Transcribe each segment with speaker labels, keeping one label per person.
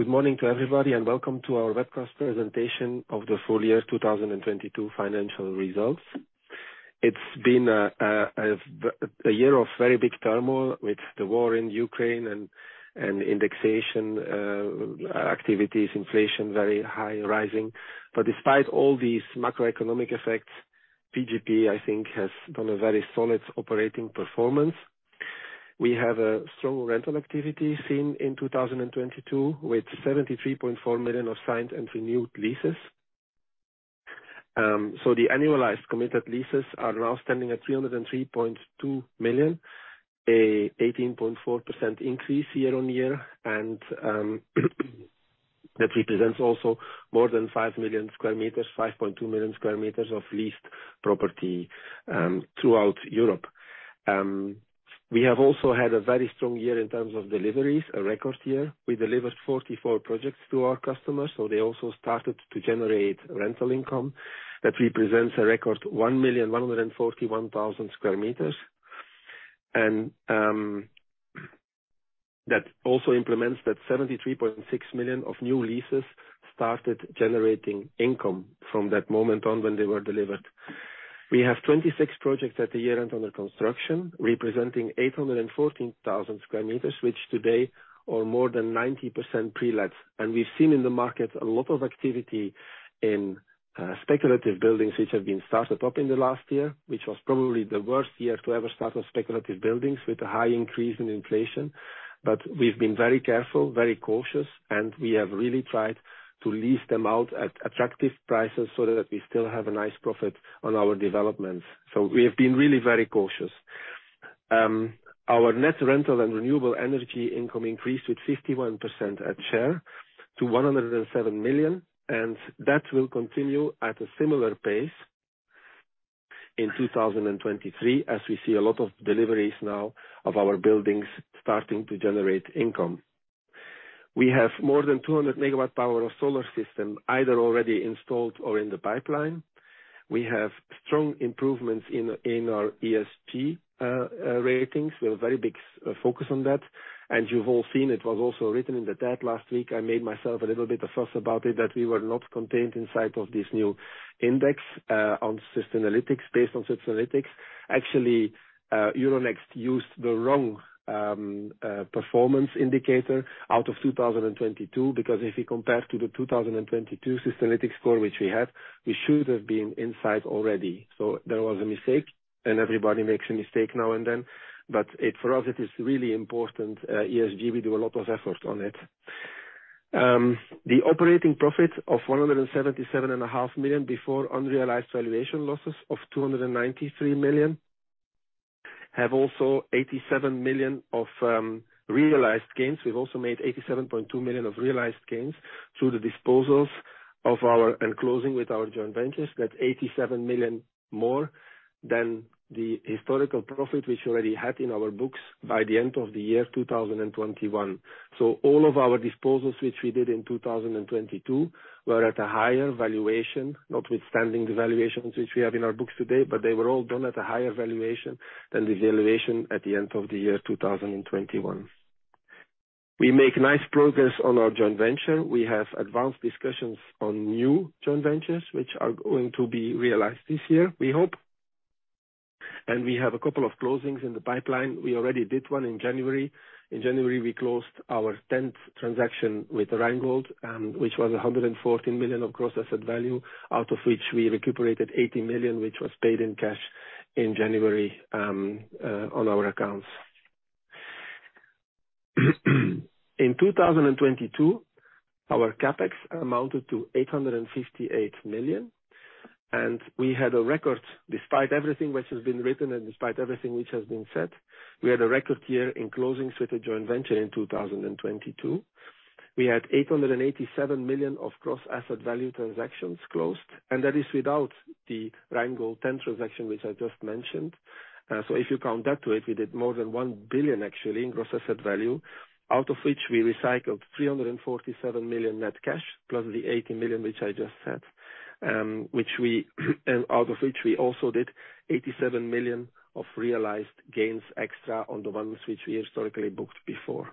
Speaker 1: Good morning to everybody, welcome to our webcast presentation of the full year 2022 financial results. It's been a year of very big turmoil with the war in Ukraine and indexation activities, inflation very high and rising. Despite all these macroeconomic effects, VGP, I think, has done a very solid operating performance. We have a strong rental activity seen in 2022, with 73.4 million of signed and renewed leases. The annualized committed leases are now standing at 303.2 million, an 18.4% increase year-on-year, that represents also more than 5 million sq m, 5.2 million sq m of leased property throughout Europe. We have also had a very strong year in terms of deliveries, a record year. We delivered 44 projects to our customers, so they also started to generate rental income. That represents a record 1,141,000 sq m. That also implements that 73.6 million of new leases started generating income from that moment on when they were delivered. We have 26 projects at the year end under construction, representing 814,000 sq m, which today are more than 90% pre-let. We've seen in the market a lot of activity in speculative buildings which have been started up in the last year, which was probably the worst year to ever start a speculative buildings with a high increase in inflation. We've been very careful, very cautious, and we have really tried to lease them out at attractive prices so that we still have a nice profit on our developments. We have been really very cautious. Our net rental and renewable energy income increased with 51% at share to 107 million, and that will continue at a similar pace in 2023 as we see a lot of deliveries now of our buildings starting to generate income. We have more than 200 MW power of solar system, either already installed or in the pipeline. We have strong improvements in our ESG ratings. We have a very big focus on that. You've all seen, it was also written in the TED last week, I made myself a little bit of fuss about it, that we were not contained inside of this new index on Sustainalytics, based on Sustainalytics. Actually, Euronext used the wrong performance indicator out of 2022, because if you compare to the 2022 Sustainalytics score which we have, we should have been inside already. There was a mistake, and everybody makes a mistake now and then, but for us it is really important, ESG, we do a lot of effort on it. The operating profit of 177.5 million, before unrealized valuation losses of 293 million, have also 87 million of realized gains. We've also made 87.2 million of realized gains through the disposals of our enclosing with our joint ventures. That's 87 million more than the historical profit which already had in our books by the end of the year 2021. All of our disposals, which we did in 2022, were at a higher valuation, notwithstanding the valuations which we have in our books today, but they were all done at a higher valuation than the valuation at the end of the year 2021. We make nice progress on our joint venture. We have advanced discussions on new joint ventures, which are going to be realized this year, we hope. We have a couple of closings in the pipeline. We already did one in January. In January, we closed our tenth transaction with Rheingold, which was 114 million of gross asset value, out of which we recuperated 80 million, which was paid in cash in January on our accounts. In 2022, our CapEx amounted to 858 million, we had a record, despite everything which has been written and despite everything which has been said, we had a record year in closing with a joint venture in 2022. We had 887 million of gross asset value transactions closed, that is without the Rheingold 10 transaction, which I just mentioned. If you count that to it, we did more than 1 billion actually in gross asset value, out of which we recycled 347 million net cash, plus the 80 million which I just said, which we, out of which we also did 87 million of realized gains, extra on the ones which we historically booked before.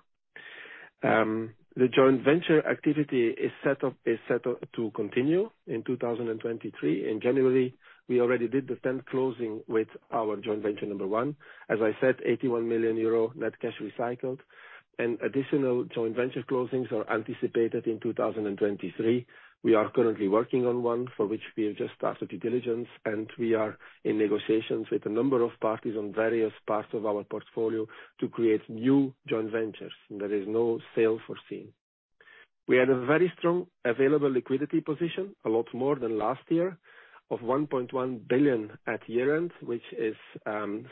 Speaker 1: The joint venture activity is set up to continue in 2023. In January, we already did the tenth closing with our joint venture number one. As I said, 81 million euro net cash recycled and additional joint venture closings are anticipated in 2023. We are currently working on one for which we have just started due diligence, and we are in negotiations with a number of parties on various parts of our portfolio to create new joint ventures. There is no sale foreseen. We had a very strong available liquidity position, a lot more than last year, of 1.1 billion at year-end, which is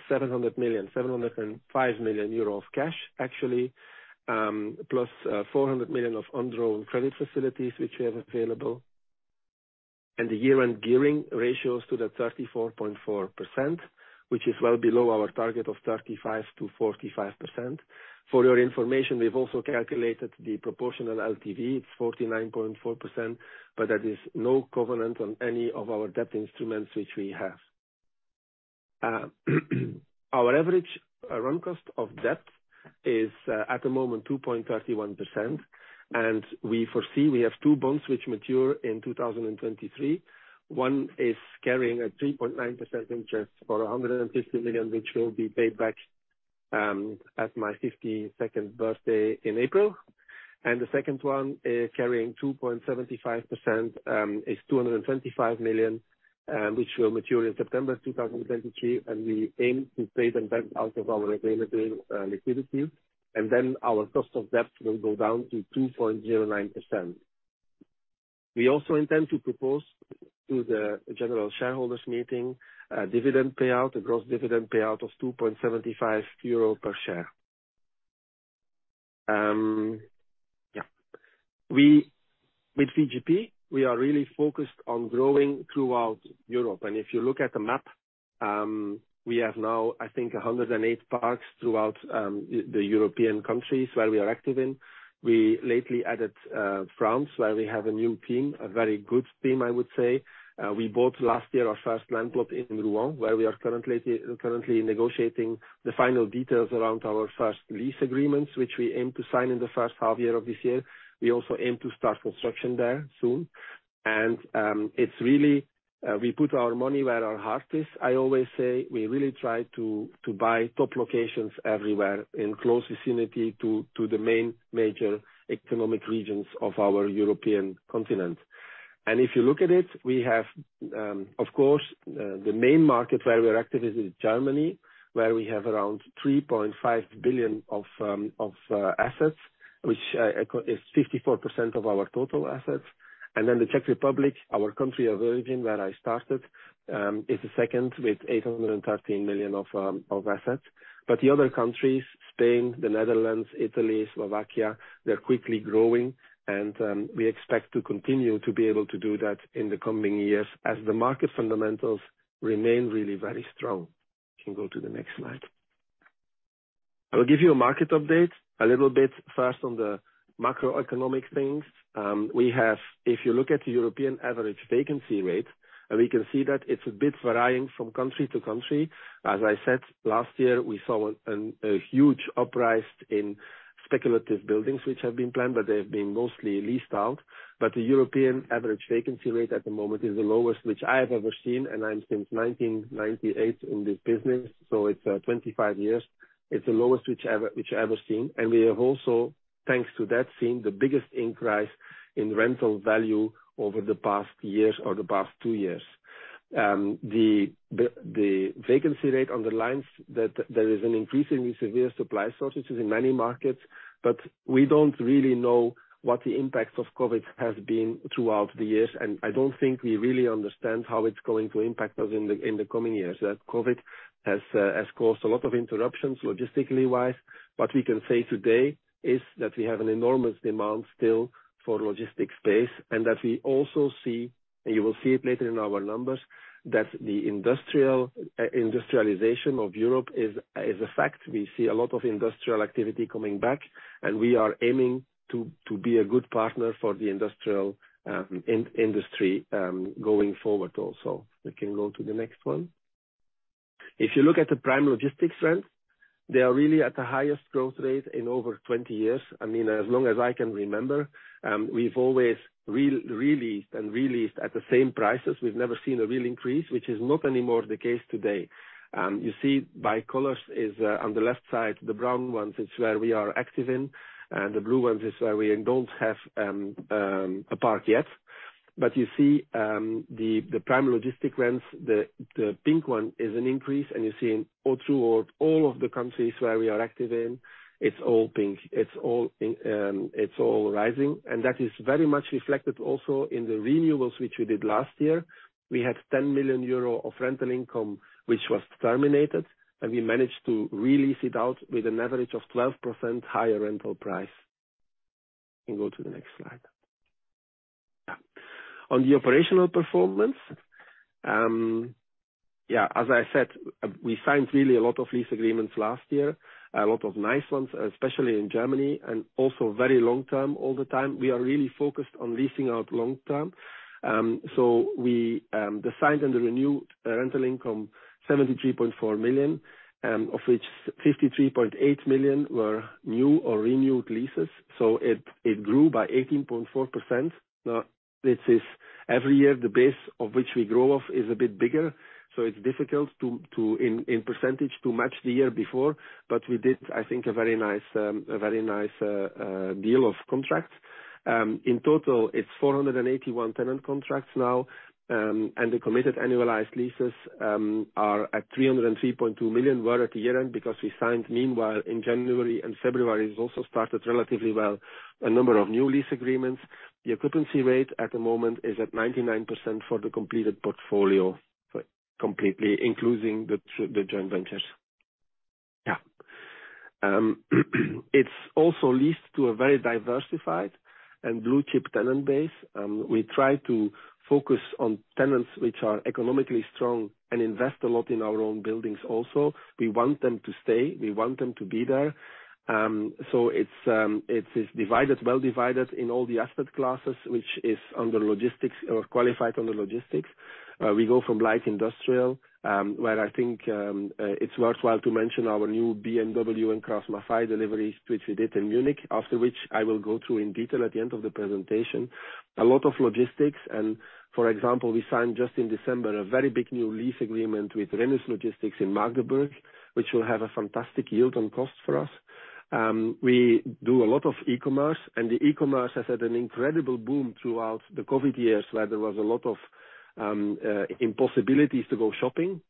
Speaker 1: 705 million euro of cash actually, +400 million of undrawn credit facilities which we have available. The year-end gearing ratios to the 34.4%, which is well below our target of 35%-45%. For your information, we've also calculated the proportional LTV. It's 49.4%, but that is no covenant on any of our debt instruments which we have. Our average run cost of debt is at the moment 2.31%, and we foresee we have two bonds which mature in 2023. One is carrying a 3.9% interest for 150 million, which will be paid back at my 52nd birthday in April. The second one is carrying 2.75% is 225 million, which will mature in September 2023, and we aim to pay them back out of our regulatory liquidity. Our cost of debt will go down to 2.09%. We also intend to propose to the general shareholders meeting a dividend payout, a gross dividend payout of 2.75 euro per share. Yeah. With VGP, we are really focused on growing throughout Europe. If you look at the map, we have now, I think, 108 parks throughout the European countries where we are active in. We lately added France, where we have a new team, a very good team, I would say. We bought last year our first land plot in Rouen, where we are currently negotiating the final details around our first lease agreements, which we aim to sign in the first half year of this year. We also aim to start construction there soon. It's really we put our money where our heart is. I always say we really try to buy top locations everywhere in close vicinity to the main major economic regions of our European continent. If you look at it, we have, of course, the main market where we're active is in Germany, where we have around 3.5 billion of assets, which is 54% of our total assets. The Czech Republic, our country of origin, where I started, is the second with 813 million of assets. The other countries, Spain, the Netherlands, Italy, Slovakia, they're quickly growing, and we expect to continue to be able to do that in the coming years as the market fundamentals remain really very strong. You can go to the next slide. I will give you a market update, a little bit first on the macroeconomic things. If you look at the European average vacancy rate, we can see that it's a bit varying from country to country. As I said, last year, we saw a huge uprise in speculative buildings which have been planned, but they have been mostly leased out. The European average vacancy rate at the moment is the lowest which I have ever seen, and I'm since 1998 in this business, so it's 25 years. It's the lowest which I've ever seen. We have also, thanks to that, seen the biggest increase in rental value over the past years or the past 2 years. The vacancy rate underlines that there is an increasingly severe supply shortages in many markets. We don't really know what the impacts of COVID has been throughout the years. I don't think we really understand how it's going to impact us in the coming years, that COVID has caused a lot of interruptions logistically wise. What we can say today is that we have an enormous demand still for logistic space. We also see, and you will see it later in our numbers, that the industrial industrialization of Europe is a fact. We see a lot of industrial activity coming back. We are aiming to be a good partner for the industrial in-industry going forward also. We can go to the next one. If you look at the prime logistics trends, they are really at the highest growth rate in over 20 years. I mean, as long as I can remember, we've always re-released and re-leased at the same prices. We've never seen a real increase, which is not anymore the case today. You see by colors is on the left side, the brown ones, it's where we are active in, and the blue ones is where we don't have a park yet. You see, the prime logistic rents, the pink one is an increase, and you're seeing all throughout all of the countries where we are active in, it's all pink. It's all rising. That is very much reflected also in the renewals which we did last year. We had 10 million euro of rental income, which was terminated. We managed to re-lease it out with an average of 12% higher rental price. We go to the next slide. On the operational performance, as I said, we signed really a lot of lease agreements last year. A lot of nice ones, especially in Germany. Also very long-term all the time. We are really focused on leasing out long-term. We, the signed and the renewed rental income, 73.4 million, of which 53.8 million were new or renewed leases, it grew by 18.4%. This is every year, the base of which we grow off is a bit bigger, it's difficult in percentage to match the year before, we did, I think, a very nice deal of contracts. In total, it's 481 tenant contracts now, the committed annualized leases are at 303.2 million were at the year-end because we signed meanwhile in January and February has also started relatively well, a number of new lease agreements. The occupancy rate at the moment is at 99% for the completed portfolio, for completely including the joint ventures. Yeah. It's also leased to a very diversified and blue-chip tenant base. We try to focus on tenants which are economically strong and invest a lot in our own buildings also. We want them to stay, we want them to be there. It is divided, well divided in all the asset classes, which is under logistics or qualified under logistics. We go from light industrial, where I think, it's worthwhile to mention our new BMW and Karosseriefabrik deliveries, which we did in Munich, after which I will go through in detail at the end of the presentation. A lot of logistics and, for example, we signed just in December a very big new lease agreement with Rhenus Logistics in Magdeburg, which will have a fantastic yield on cost for us. We do a lot of e-commerce, and the e-commerce has had an incredible boom throughout the COVID years, where there was a lot of, impossibilities to go shopping.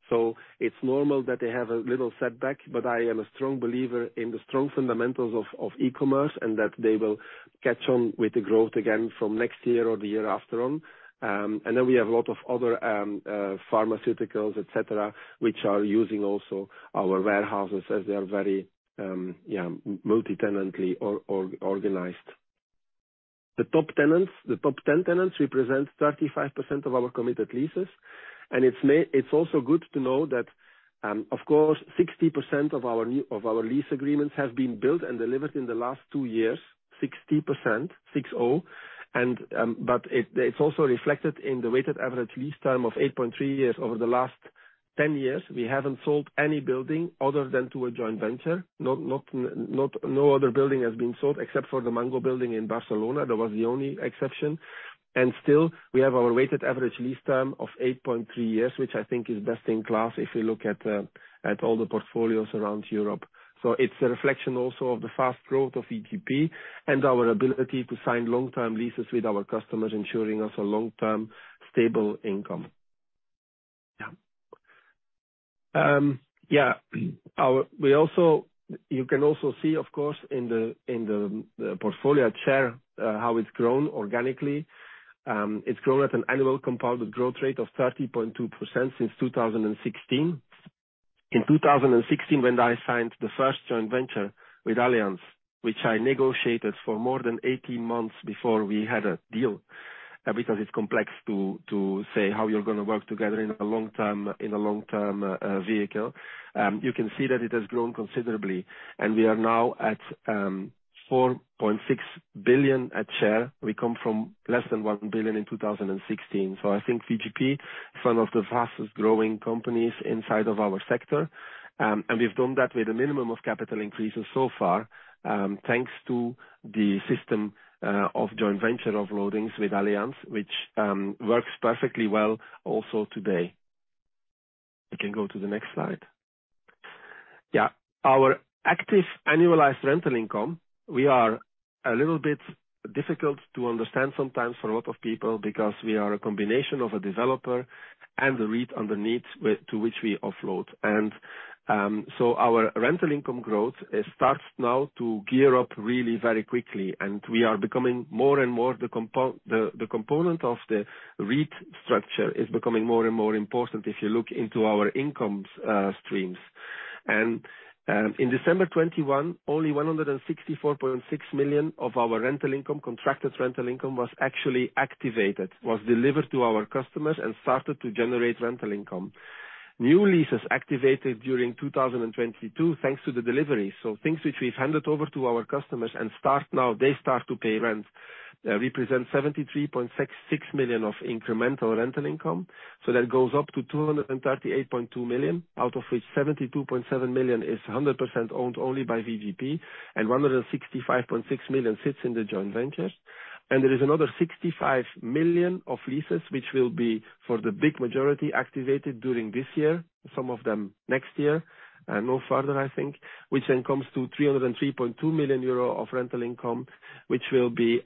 Speaker 1: It's normal that they have a little setback, I am a strong believer in the strong fundamentals of e-commerce, and that they will catch on with the growth again from next year or the year after on. We have a lot of other pharmaceuticals, et cetera, which are using also our warehouses as they are very multi-tenantly organized. The top tenants. The top 10 tenants represent 35% of our committed leases. It's also good to know that, of course, 60% of our lease agreements have been built and delivered in the last two years. 60%, 6-0. It's also reflected in the weighted average lease term of 8.3 years. Over the last 10 years, we haven't sold any building other than to a joint venture. No other building has been sold except for the Mango building in Barcelona. That was the only exception. Still, we have our weighted average lease term of 8.3 years, which I think is best in class if you look at all the portfolios around Europe. It's a reflection also of the fast growth of VGP and our ability to sign long-term leases with our customers, ensuring us a long-term, stable income. Yeah. Yeah. You can also see, of course, in the portfolio at share, how it's grown organically. It's grown at an annual compounded growth rate of 30.2% since 2016. In 2016, when I signed the first joint venture with Allianz, which I negotiated for more than 18 months before we had a deal, because it's complex to say how you're gonna work together in a long-term, in a long-term vehicle. You can see that it has grown considerably. We are now at 4.6 billion at share. We come from less than 1 billion in 2016. I think VGP is one of the fastest growing companies inside of our sector. We've done that with a minimum of capital increases so far, thanks to the system of joint venture offloadings with Allianz, which works perfectly well also today. You can go to the next slide. Yeah. Our active annualized rental income, we are a little bit difficult to understand sometimes for a lot of people because we are a combination of a developer and the REIT underneath with, to which we offload. Our rental income growth, it starts now to gear up really very quickly, and we are becoming more and more the component of the REIT structure is becoming more and more important if you look into our income streams. In December 2021, only 164.6 million of our rental income, contracted rental income, was actually activated. Was delivered to our customers and started to generate rental income. New leases activated during 2022, thanks to the delivery. Things which we've handed over to our customers and start now, they start to pay rent, represent 73.66 million of incremental rental income. That goes up to 238.2 million, out of which 72.7 million is 100% owned only by VGP, and 165.6 million sits in the joint ventures. There is another 65 million of leases, which will be, for the big majority, activated during this year, some of them next year, no further, I think. Which comes to 303.2 million euro of rental income, which will be,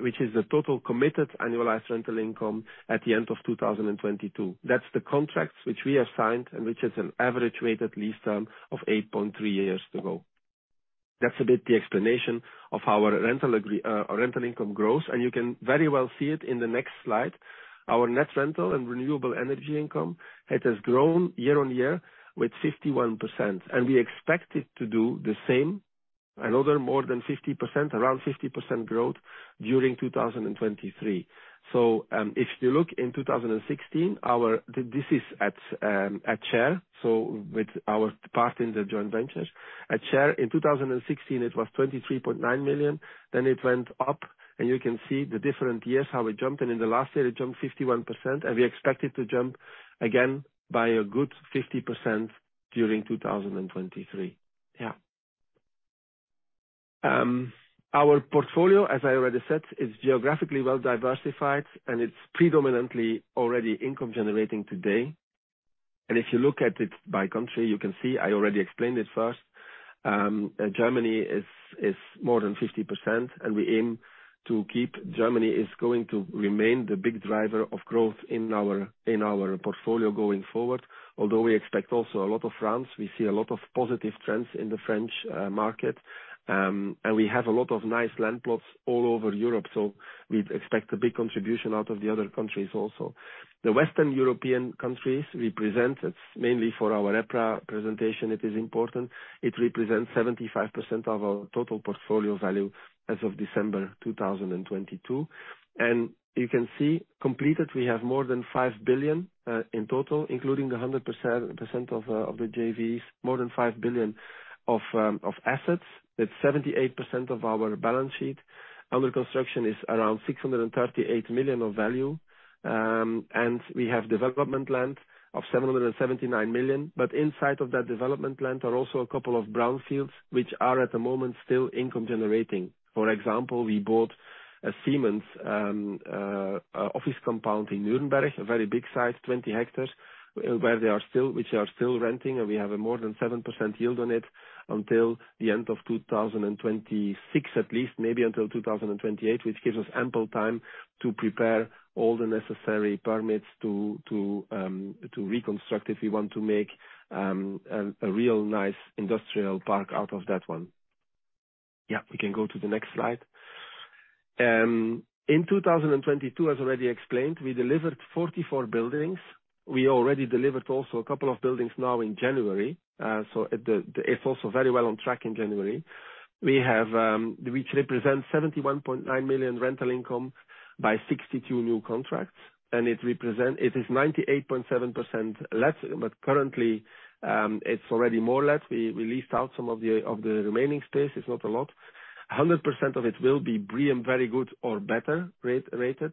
Speaker 1: which is the total committed annualized rental income at the end of 2022. That's the contracts which we have signed and which is an average weighted lease term of 8.3 years to go. That's a bit the explanation of our rental income growth, you can very well see it in the next slide. Our net rental and renewable energy income, it has grown year-on-year with 51%, we expect it to do the same, another more than 50%, around 50% growth during 2023. If you look in 2016, This is at share, so with our partners at joint ventures. At share in 2016, it was 23.9 million, it went up, you can see the different years, how it jumped. In the last year, it jumped 51%, and we expect it to jump again by a good 50% during 2023. Our portfolio, as I already said, is geographically well-diversified, and it's predominantly already income generating today. If you look at it by country, you can see, I already explained it first. Germany is more than 50% and Germany is going to remain the big driver of growth in our portfolio going forward. Although we expect also a lot of France, we see a lot of positive trends in the French market. We have a lot of nice land plots all over Europe, so we expect a big contribution out of the other countries also. The Western European countries represent, it's mainly for our EPRA presentation, it is important. It represents 75% of our total portfolio value as of December 2022. You can see completed, we have more than 5 billion in total, including the 100% of the JVs, more than 5 billion of assets. That's 78% of our balance sheet. Under construction is around 638 million of value. We have development land of 779 million. Inside of that development land are also a couple of brownfields which are at the moment still income generating. For example, we bought a Siemens office compound in Nuremberg, a very big size, 20 hectares, where they are still... which are still renting, and we have a more than 7% yield on it until the end of 2026 at least, maybe until 2028, which gives us ample time to prepare all the necessary permits to reconstruct if we want to make a real nice industrial park out of that one. Yeah, we can go to the next slide. In 2022, as already explained, we delivered 44 buildings. We already delivered also a couple of buildings now in January. It's also very well on track in January, which represents 71.9 million rental income by 62 new contracts, and it is 98.7% let. Currently, it's already more or less. We leased out some of the remaining space. It's not a lot. 100% of it will be BREEAM Very Good or better rated.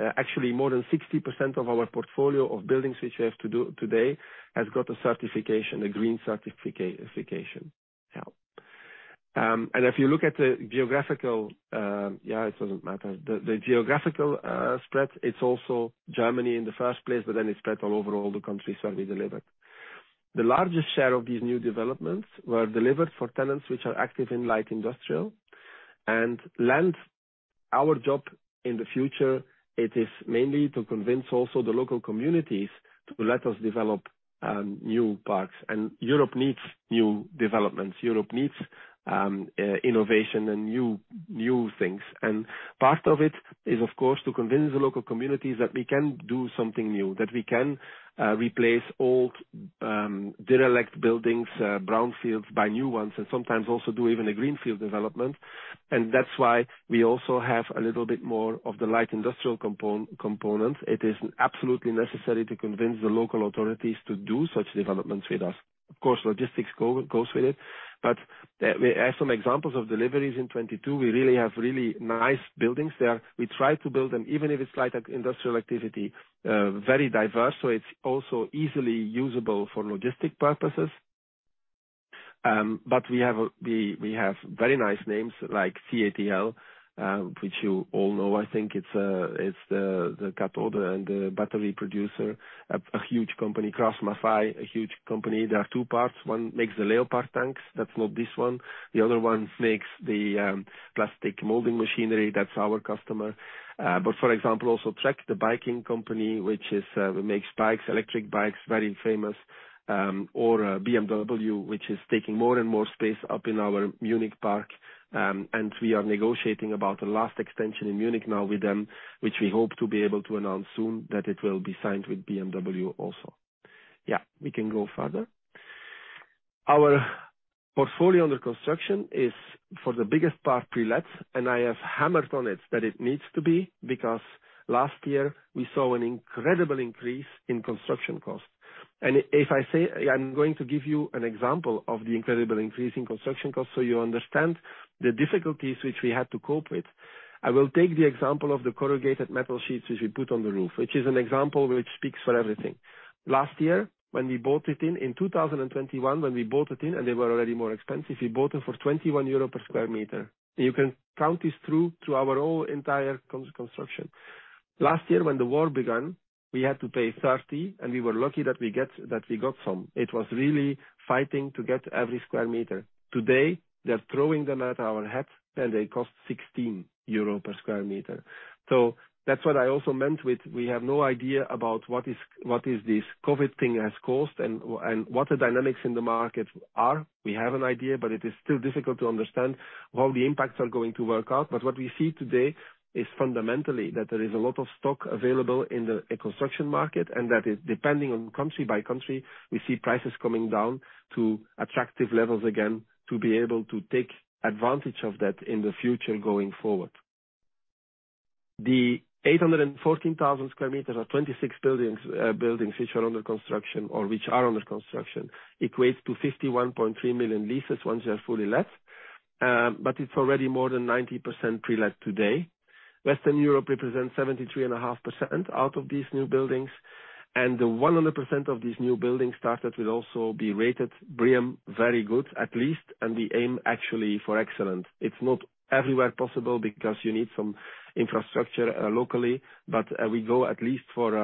Speaker 1: Actually, more than 60% of our portfolio of buildings which we have to do today has got a certification, a green certification. Yeah. If you look at the geographical... Yeah, it doesn't matter. The geographical spread, it's also Germany in the first place, but then it spread all over all the countries where we delivered. The largest share of these new developments were delivered for tenants which are active in light industrial. Land, our job in the future, it is mainly to convince also the local communities to let us develop new parks. Europe needs new developments. Europe needs innovation and new things. Part of it is, of course, to convince the local communities that we can do something new, that we can replace old, derelict buildings, brownfields, buy new ones, and sometimes also do even a greenfield development. That's why we also have a little bit more of the light industrial component. It is absolutely necessary to convince the local authorities to do such developments with us. Of course, logistics goes with it. We have some examples of deliveries in 2022. We really have nice buildings there. We try to build them, even if it's light industrial activity, very diverse, so it's also easily usable for logistic purposes. We have very nice names like CATL, which you all know. I think it's the cathode and the battery producer. A huge company. KraussMaffei, a huge company. There are two parts. One makes the Leopard tanks. That's not this one. The other one makes the plastic molding machinery. That's our customer. For example, also Trek, the biking company, which makes bikes, electric bikes, very famous. BMW, which is taking more and more space up in our Munich park. We are negotiating about the last extension in Munich now with them, which we hope to be able to announce soon that it will be signed with BMW also. Yeah, we can go further. Our portfolio under construction is, for the biggest part, pre-let. I have hammered on it that it needs to be, because last year we saw an incredible increase in construction costs. If I say... I'm going to give you an example of the incredible increase in construction costs so you understand the difficulties which we had to cope with. I will take the example of the corrugated metal sheets which we put on the roof, which is an example which speaks for everything. Last year, when we bought it in 2021, and they were already more expensive, we bought them for 21 euro per sq m. You can count this through to our whole entire construction. Last year, when the war began, we had to pay 30, and we were lucky that we got some. It was really fighting to get every sq m. Today, they're throwing them at our heads, and they cost 16 euro per sq m. That's what I also meant with, we have no idea about what is this COVID thing has caused and what the dynamics in the market are. We have an idea, but it is still difficult to understand how the impacts are going to work out. What we see today is fundamentally that there is a lot of stock available in the, a construction market, and that is depending on country by country, we see prices coming down to attractive levels again to be able to take advantage of that in the future going forward. The 814,000 sq m or 26 buildings which are under construction equates to 51.3 million leases once they're fully let. But it's already more than 90% pre-let today. Western Europe represents 73.5% out of these new buildings. The 100% of these new buildings started will also be rated BREEAM Very Good, at least, and we aim actually for excellent. It's not everywhere possible because you need some infrastructure locally, but we go at least for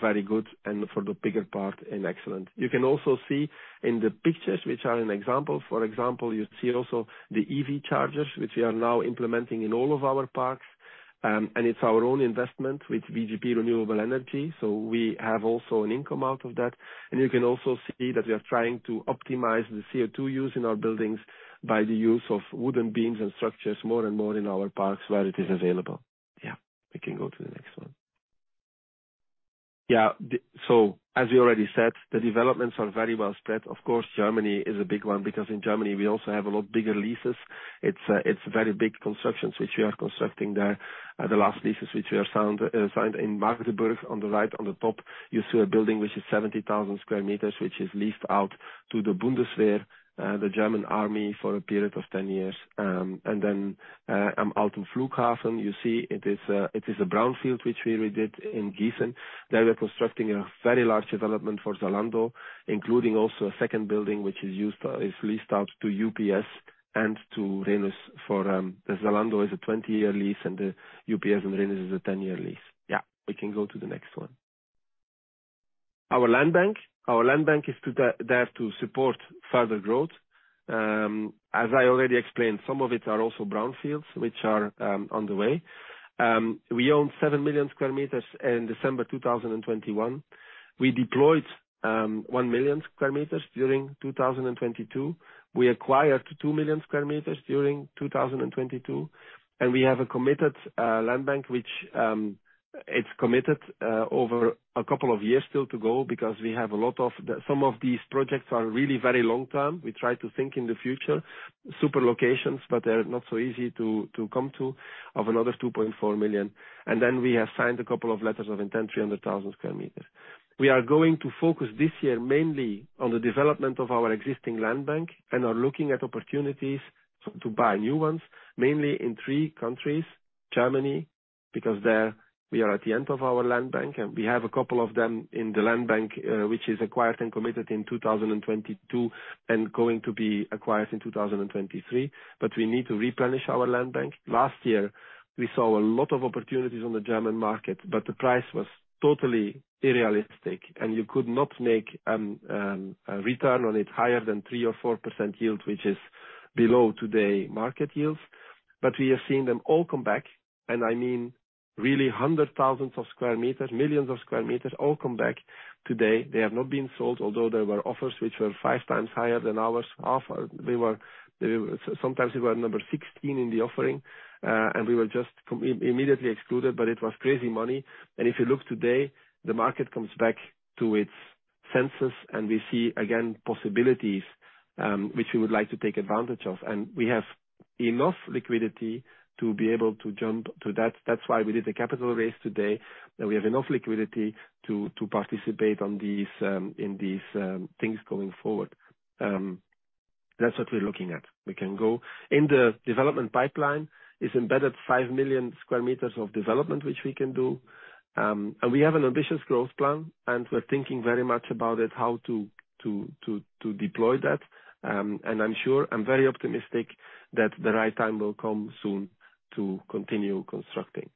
Speaker 1: Very Good and for the bigger part in excellent. You can also see in the pictures, which are an example. For example, you see also the EV chargers, which we are now implementing in all of our parks. It's our own investment with VGP Renewable Energy, so we have also an income out of that. You can also see that we are trying to optimize the CO2 use in our buildings by the use of wooden beams and structures more and more in our parks where it is available. Yeah. We can go to the next one. As we already said, the developments are very well spread. Of course, Germany is a big one because in Germany we also have a lot bigger leases. It's very big constructions which we are constructing there. The last leases which we have signed in Magdeburg on the right. On the top, you see a building which is sq m, which is leased out to the Bundeswehr, the German army, for a period of 10 years. Alten Flughafen, you see it is a brownfield which we redid in Gießen. There we're constructing a very large development for Zalando, including also a second building which is used for... is leased out to UPS and to Rhenus for, the Zalando is a 20-year lease, and the UPS and Rhenus is a 10-year lease. We can go to the next one. Our land bank. Our land bank is there to support further growth. As I already explained, some of it are also brownfields which are on the way. We own 7 sq m in December 2021. We deployed 1 sq m during 2022. We acquired 2 sq m during 2022, and we have a committed land bank which it's committed over a couple of years still to go, because we have a lot of Some of these projects are really very long-term. We try to think in the future, super locations, but they're not so easy to come to of another 2.4 million. We have signed a couple of letters of intent, sq m. we are going to focus this year mainly on the development of our existing land bank and are looking at opportunities to buy new ones, mainly in three countries, Germany, because there we are at the end of our land bank, and we have a couple of them in the land bank, which is acquired and committed in 2022 and going to be acquired in 2023. We need to replenish our land bank. Last year we saw a lot of opportunities on the German market, but the price was totally unrealistic and you could not make a return on it higher than 3% or 4% yield, which is below today market yields. We have seen them all come back, and I mean really hundred thousands sq m, millions sq m all come back today. They have not been sold, although there were offers which were 5x higher than our offer. We were, sometimes we were number 16 in the offering, and we were just immediately excluded, but it was crazy money. If you look today, the market comes back to its senses and we see again possibilities, which we would like to take advantage of. We have enough liquidity to be able to jump to that. That's why we did a capital raise today, that we have enough liquidity to participate on these, in these, things going forward. That's what we're looking at. We can go. In the development pipeline is embedded 5 sq m of development, which we can do. We have an ambitious growth plan, and we're thinking very much about it, how to deploy that. I'm sure, I'm very optimistic that the right time will come soon to continue constructing.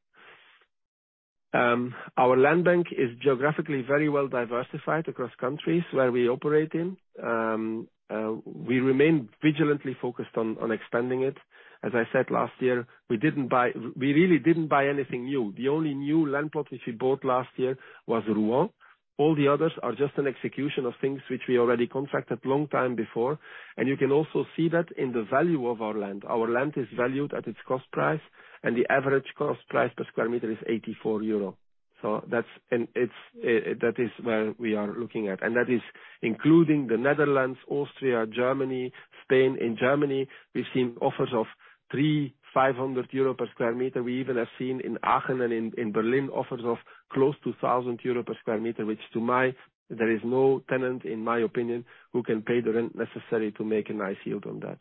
Speaker 1: Our land bank is geographically very well diversified across countries where we operate in. We remain vigilantly focused on expanding it. As I said last year, we really didn't buy anything new. The only new land plot which we bought last year was Rouen. All the others are just an execution of things which we already contracted long time before. You can also see that in the value of our land. Our land is valued at its cost price. The average cost price per sq m is 84 euro. That is where we are looking at. That is including the Netherlands, Austria, Germany, Spain. In Germany we've seen offers of 300-500 euro per sq m. We even have seen in Aachen and in Berlin offers of close to 1,000 euro per sq m. There is no tenant, in my opinion, who can pay the rent necessary to make a nice yield on that.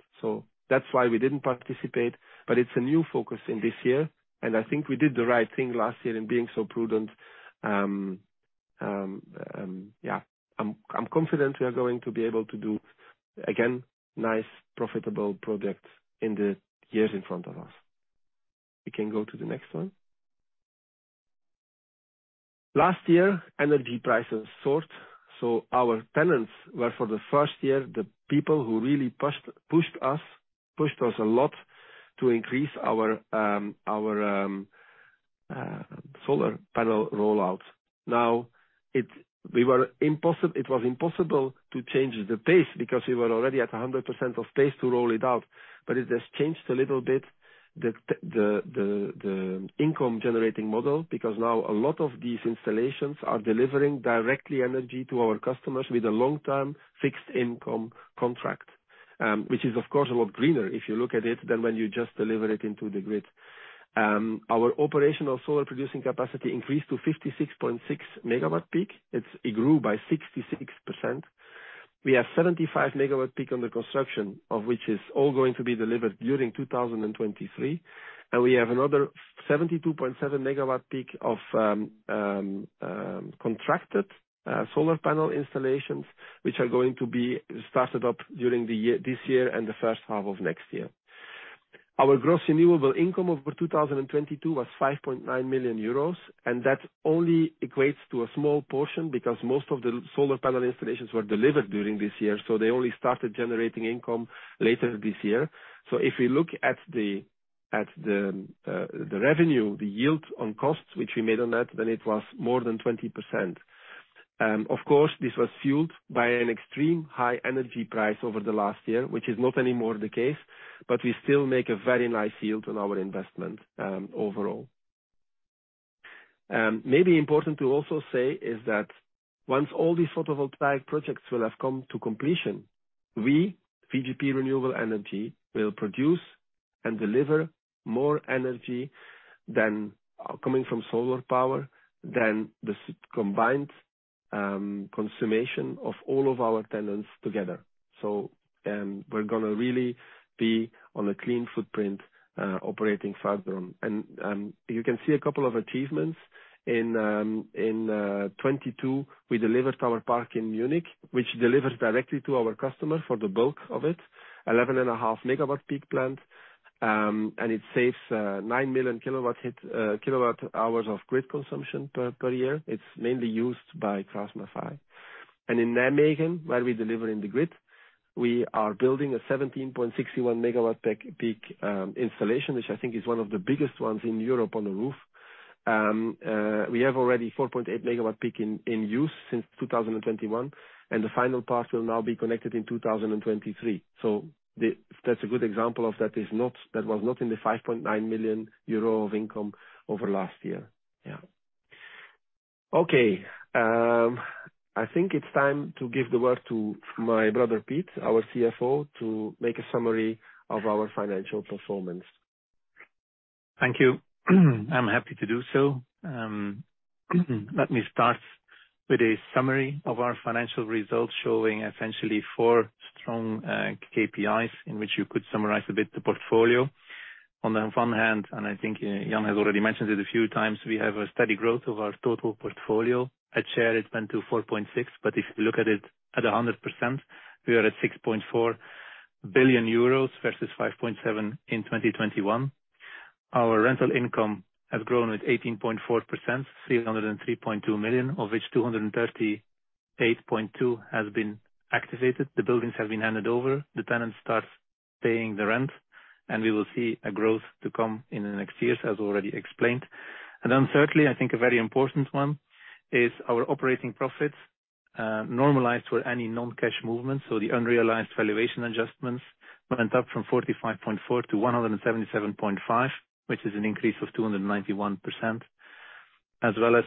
Speaker 1: That's why we didn't participate. It's a new focus in this year, and I think we did the right thing last year in being so prudent. I'm confident we are going to be able to do, again, nice profitable projects in the years in front of us. We can go to the next one. Last year, energy prices soared. Our tenants were, for the first year, the people who really pushed us a lot to increase our solar panel rollout. It was impossible to change the pace because we were already at 100% of pace to roll it out. It has changed a little bit the income generating model. Now a lot of these installations are delivering directly energy to our customers with a long-term fixed income contract, which is of course a lot greener if you look at it than when you just deliver it into the grid. Our operational solar producing capacity increased to 56.6 MW-peak. It grew by 66%. We have 75 MW-peak under construction, of which is all going to be delivered during 2023. We have another 72.7 MW-peak of contracted solar panel installations, which are going to be started up during this year and the first half of next year. Our gross renewable income over 2022 was 5.9 million euros, and that only equates to a small portion because most of the solar panel installations were delivered during this year, so they only started generating income later this year. If we look at the revenue, the yield on cost, which we made on that, then it was more than 20%. Of course, this was fueled by an extreme high energy price over the last year, which is not anymore the case. We still make a very nice yield on our investment overall. Maybe important to also say is that once all these photovoltaic projects will have come to completion, we, VGP Renewable Energy, will produce and deliver more energy than coming from solar power than this combined consummation of all of our tenants together. We're gonna really be on a clean footprint operating platform. You can see a couple of achievements. In 2022, we delivered our park in Munich, which delivers directly to our customer for the bulk of it, 11.5 MW-peak plant. It saves 9 million kWh of grid consumption per year. It's mainly used by KraussMaffei. In Nijmegen, where we deliver in the grid, we are building a 17.61 MW-peak installation, which I think is one of the biggest ones in Europe on the roof. We have already 4.8 MW-peak in use since 2021, and the final part will now be connected in 2023. That's a good example of that is that was not in the 5.9 million euro of income over last year. Yeah. I think it's time to give the word to my brother, Piet, our CFO, to make a summary of our financial performance.
Speaker 2: Thank you. I'm happy to do so. Let me start with a summary of our financial results, showing essentially four strong KPIs in which you could summarize a bit the portfolio. I think Jan has already mentioned it a few times, we have a steady growth of our total portfolio. At share, it's been to 4.6 billion. If you look at it at 100%, we are at 6.4 billion euros, versus 5.7 billion in 2021. Our rental income has grown at 18.4%, 303.2 million, of which 238.2 million has been activated. The buildings have been handed over. The tenant starts paying the rent. We will see a growth to come in the next years, as already explained. Thirdly, I think a very important one is our operating profits normalized for any non-cash movements. The unrealized valuation adjustments went up from 45.4 to 177.5, which is an increase of 291%.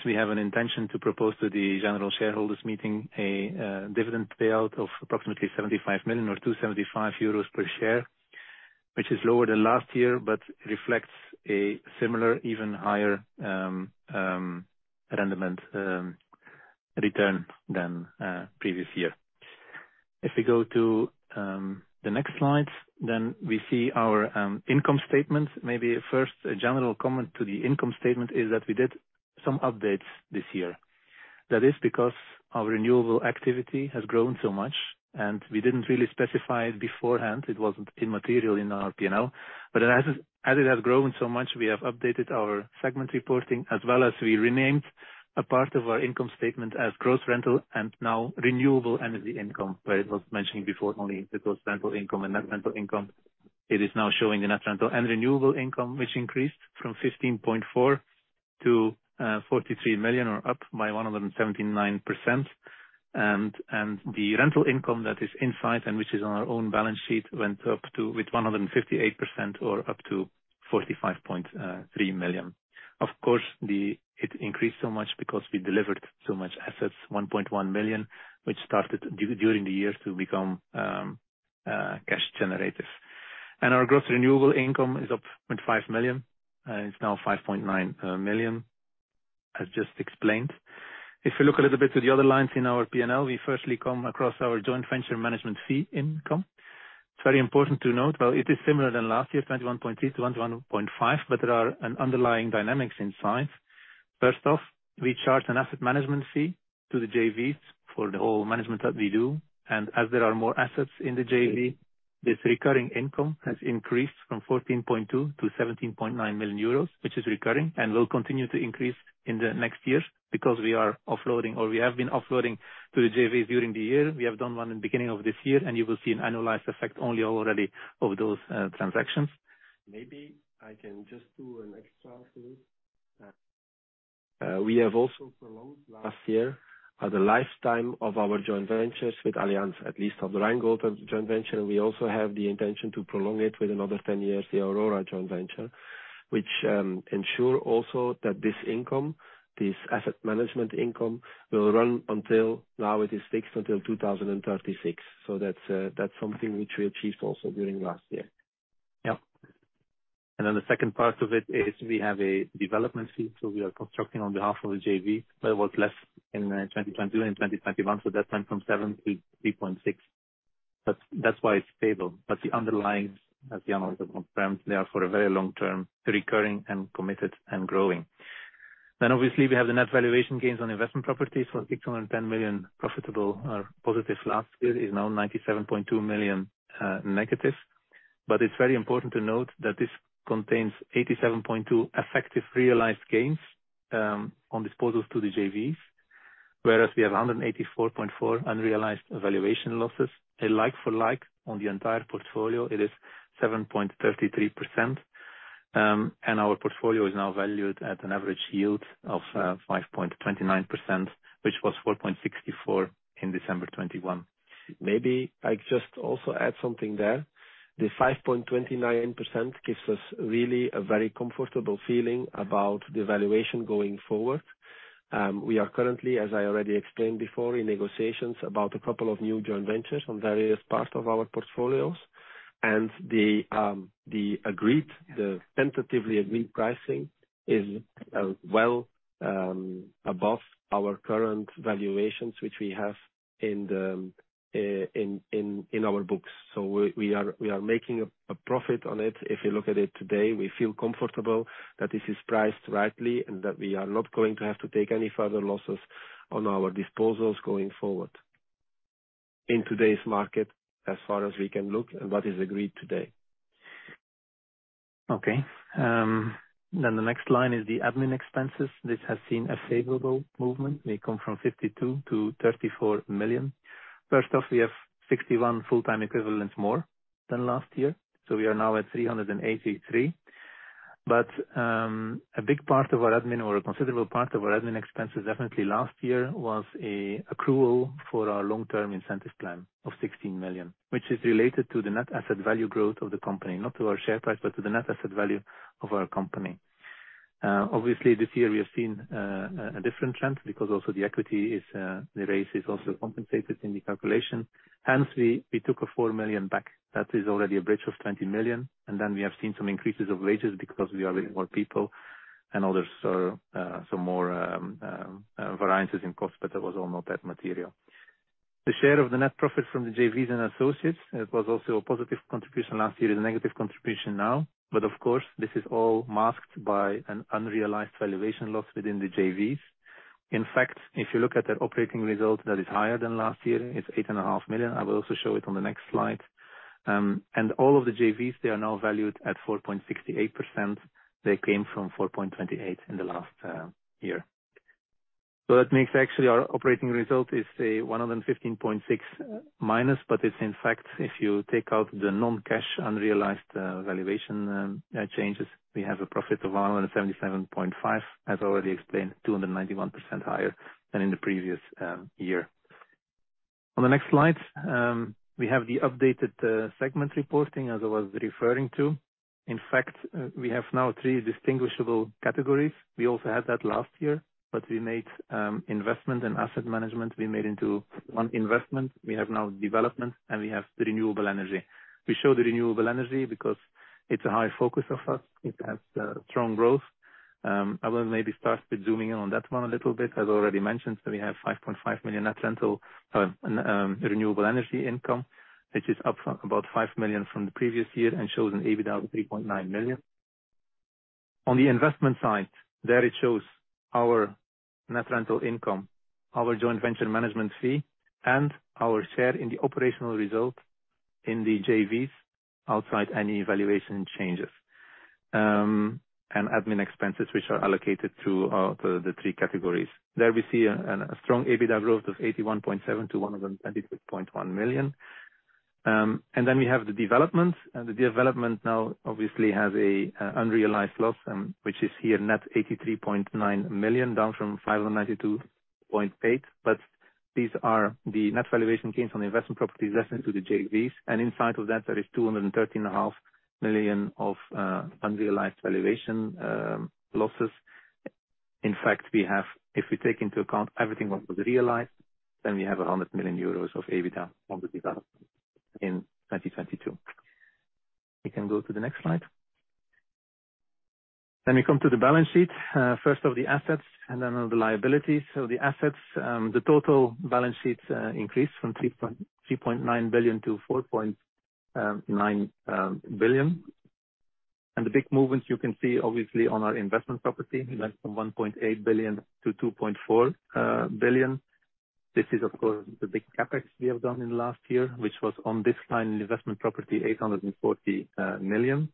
Speaker 2: We have an intention to propose to the general shareholders meeting a dividend payout of approximately 75 million or 2.75 euros per share, which is lower than last year, but reflects a similar, even higher, return than previous year. If we go to the next slide, we see our income statement. Maybe first, a general comment to the income statement is that we did some updates this year. That is because our renewable activity has grown so much, and we didn't really specify it beforehand. It wasn't in material in our P&L. As it has grown so much, we have updated our segment reporting as well as we renamed a part of our income statement as gross rental and now renewable energy income. Where it was mentioned before only the gross rental income and net rental income. It is now showing the net rental and renewable income, which increased from 15.4 million-43 million or up by 179%. The rental income that is in site and which is on our own balance sheet went up to with 158% or up to 45.3 million. Of course, it increased so much because we delivered so much assets, 1.1 million, which started during the year to become cash generative. Our gross renewable income is up 0.5 million. It's now 5.9 million, as just explained. If you look a little bit to the other lines in our P&L, we firstly come across our joint venture management fee income. It's very important to note, well it is similar than last year, 21.3 million-21.5 million, but there are an underlying dynamics in size. First off, we charge an asset management fee to the JVs for the whole management that we do. As there are more assets in the JV, this recurring income has increased from 14.2 million-17.9 million euros, which is recurring and will continue to increase in the next years because we are offloading or we have been offloading to the JVs during the year. We have done one in the beginning of this year. You will see an annualized effect only already of those, transactions. Maybe I can just do an extra
Speaker 1: We have also prolonged last year the lifetime of our joint ventures with Allianz, at least of the Rheingold joint venture. We also have the intention to prolong it with another 10 years, the Aurora joint venture, which ensure also that this income, this asset management income, now it is fixed until 2036. That's something which we achieved also during last year.
Speaker 2: The second part of it is we have a development fee, we are constructing on behalf of the JV. That was less in 2021. That went from 7 to 3.6. That's why it's stable. The underlying, as Jan has confirmed, they are for a very long term, recurring and committed and growing. Obviously we have the net valuation gains on investment properties for 610 million profitable, positive last year is now 97.2 million negative. It's very important to note that this contains 87.2 effective realized gains on disposals to the JVs, whereas we have 184.4 unrealized valuation losses. A like for like on the entire portfolio, it is 7.33. Our portfolio is now valued at an average yield of 5.29%, which was 4.64% in December 2021.
Speaker 1: Maybe I just also add something there. The 5.29% gives us really a very comfortable feeling about the valuation going forward. We are currently, as I already explained before, in negotiations about a couple of new joint ventures on various parts of our portfolios. The agreed, the tentatively agreed pricing is well above our current valuations, which we have in our books. We are making a profit on it. If you look at it today, we feel comfortable that this is priced rightly and that we are not going to have to take any further losses on our disposals going forward. In today's market, as far as we can look and what is agreed today.
Speaker 2: Okay. The next line is the admin expenses. This has seen a favorable movement. They come from 52 million-34 million. First off, we have 61 full-time equivalents more than last year, we are now at 383. A big part of our admin or a considerable part of our admin expenses definitely last year was an accrual for our long-term incentive plan of 16 million, which is related to the net asset value growth of the company, not to our share price, but to the net asset value of our company. Obviously this year we have seen a different trend because also the equity is, the raise is also compensated in the calculation. We took 4 million back. That is already a bridge of 20 million. We have seen some increases of wages because we are with more people and others, some more variances in cost, but that was all not that material. The share of the net profit from the JVs and associates, it was also a positive contribution last year and negative contribution now. Of course, this is all masked by an unrealized valuation loss within the JVs. In fact, if you look at their operating result that is higher than last year, it's 8.5 million. I will also show it on the next slide. All of the JVs, they are now valued at 4.68%. They came from 4.28% in the last year. That makes actually our operating result is a -115.6. It's in fact, if you take out the non-cash unrealized valuation changes, we have a profit of 177.5. As already explained, 291% higher than in the previous year. On the next slide, we have the updated segment reporting as I was referring to. In fact, we have now three distinguishable categories. We also had that last year, we made investment and asset management into one investment. We have now development, we have the renewable energy. We show the renewable energy because it's a high focus of us. It has strong growth. I will maybe start with zooming in on that one a little bit. As already mentioned, we have 5.5 million net rental, renewable energy income, which is up from about 5 million from the previous year and shows an EBITDA of 3.9 million. On the investment side, there it shows our net rental income, our joint venture management fee, and our share in the operational result in the JVs outside any valuation changes, and admin expenses which are allocated to the three categories. There we see a strong EBITDA growth of 81.7 million-126.1 million. The development now obviously has an unrealized loss, which is here net 83.9 million, down from 592.8 million. These are the net valuation gains on the investment properties less than to the JVs. Inside of that, there is 213 and a half million of unrealized valuation losses. In fact, we have, if we take into account everything what was realized, then we have 100 million euros of EBITDA on the development in 2022. We can go to the next slide. We come to the balance sheet, first of the assets and then of the liabilities. The assets, the total balance sheets increased from 3.9 billion-4.9 billion. The big movements you can see obviously on our investment property went from 1.8 billion-2.4 billion. This is of course the big CapEx we have done in the last year, which was on this final investment property, 840 million.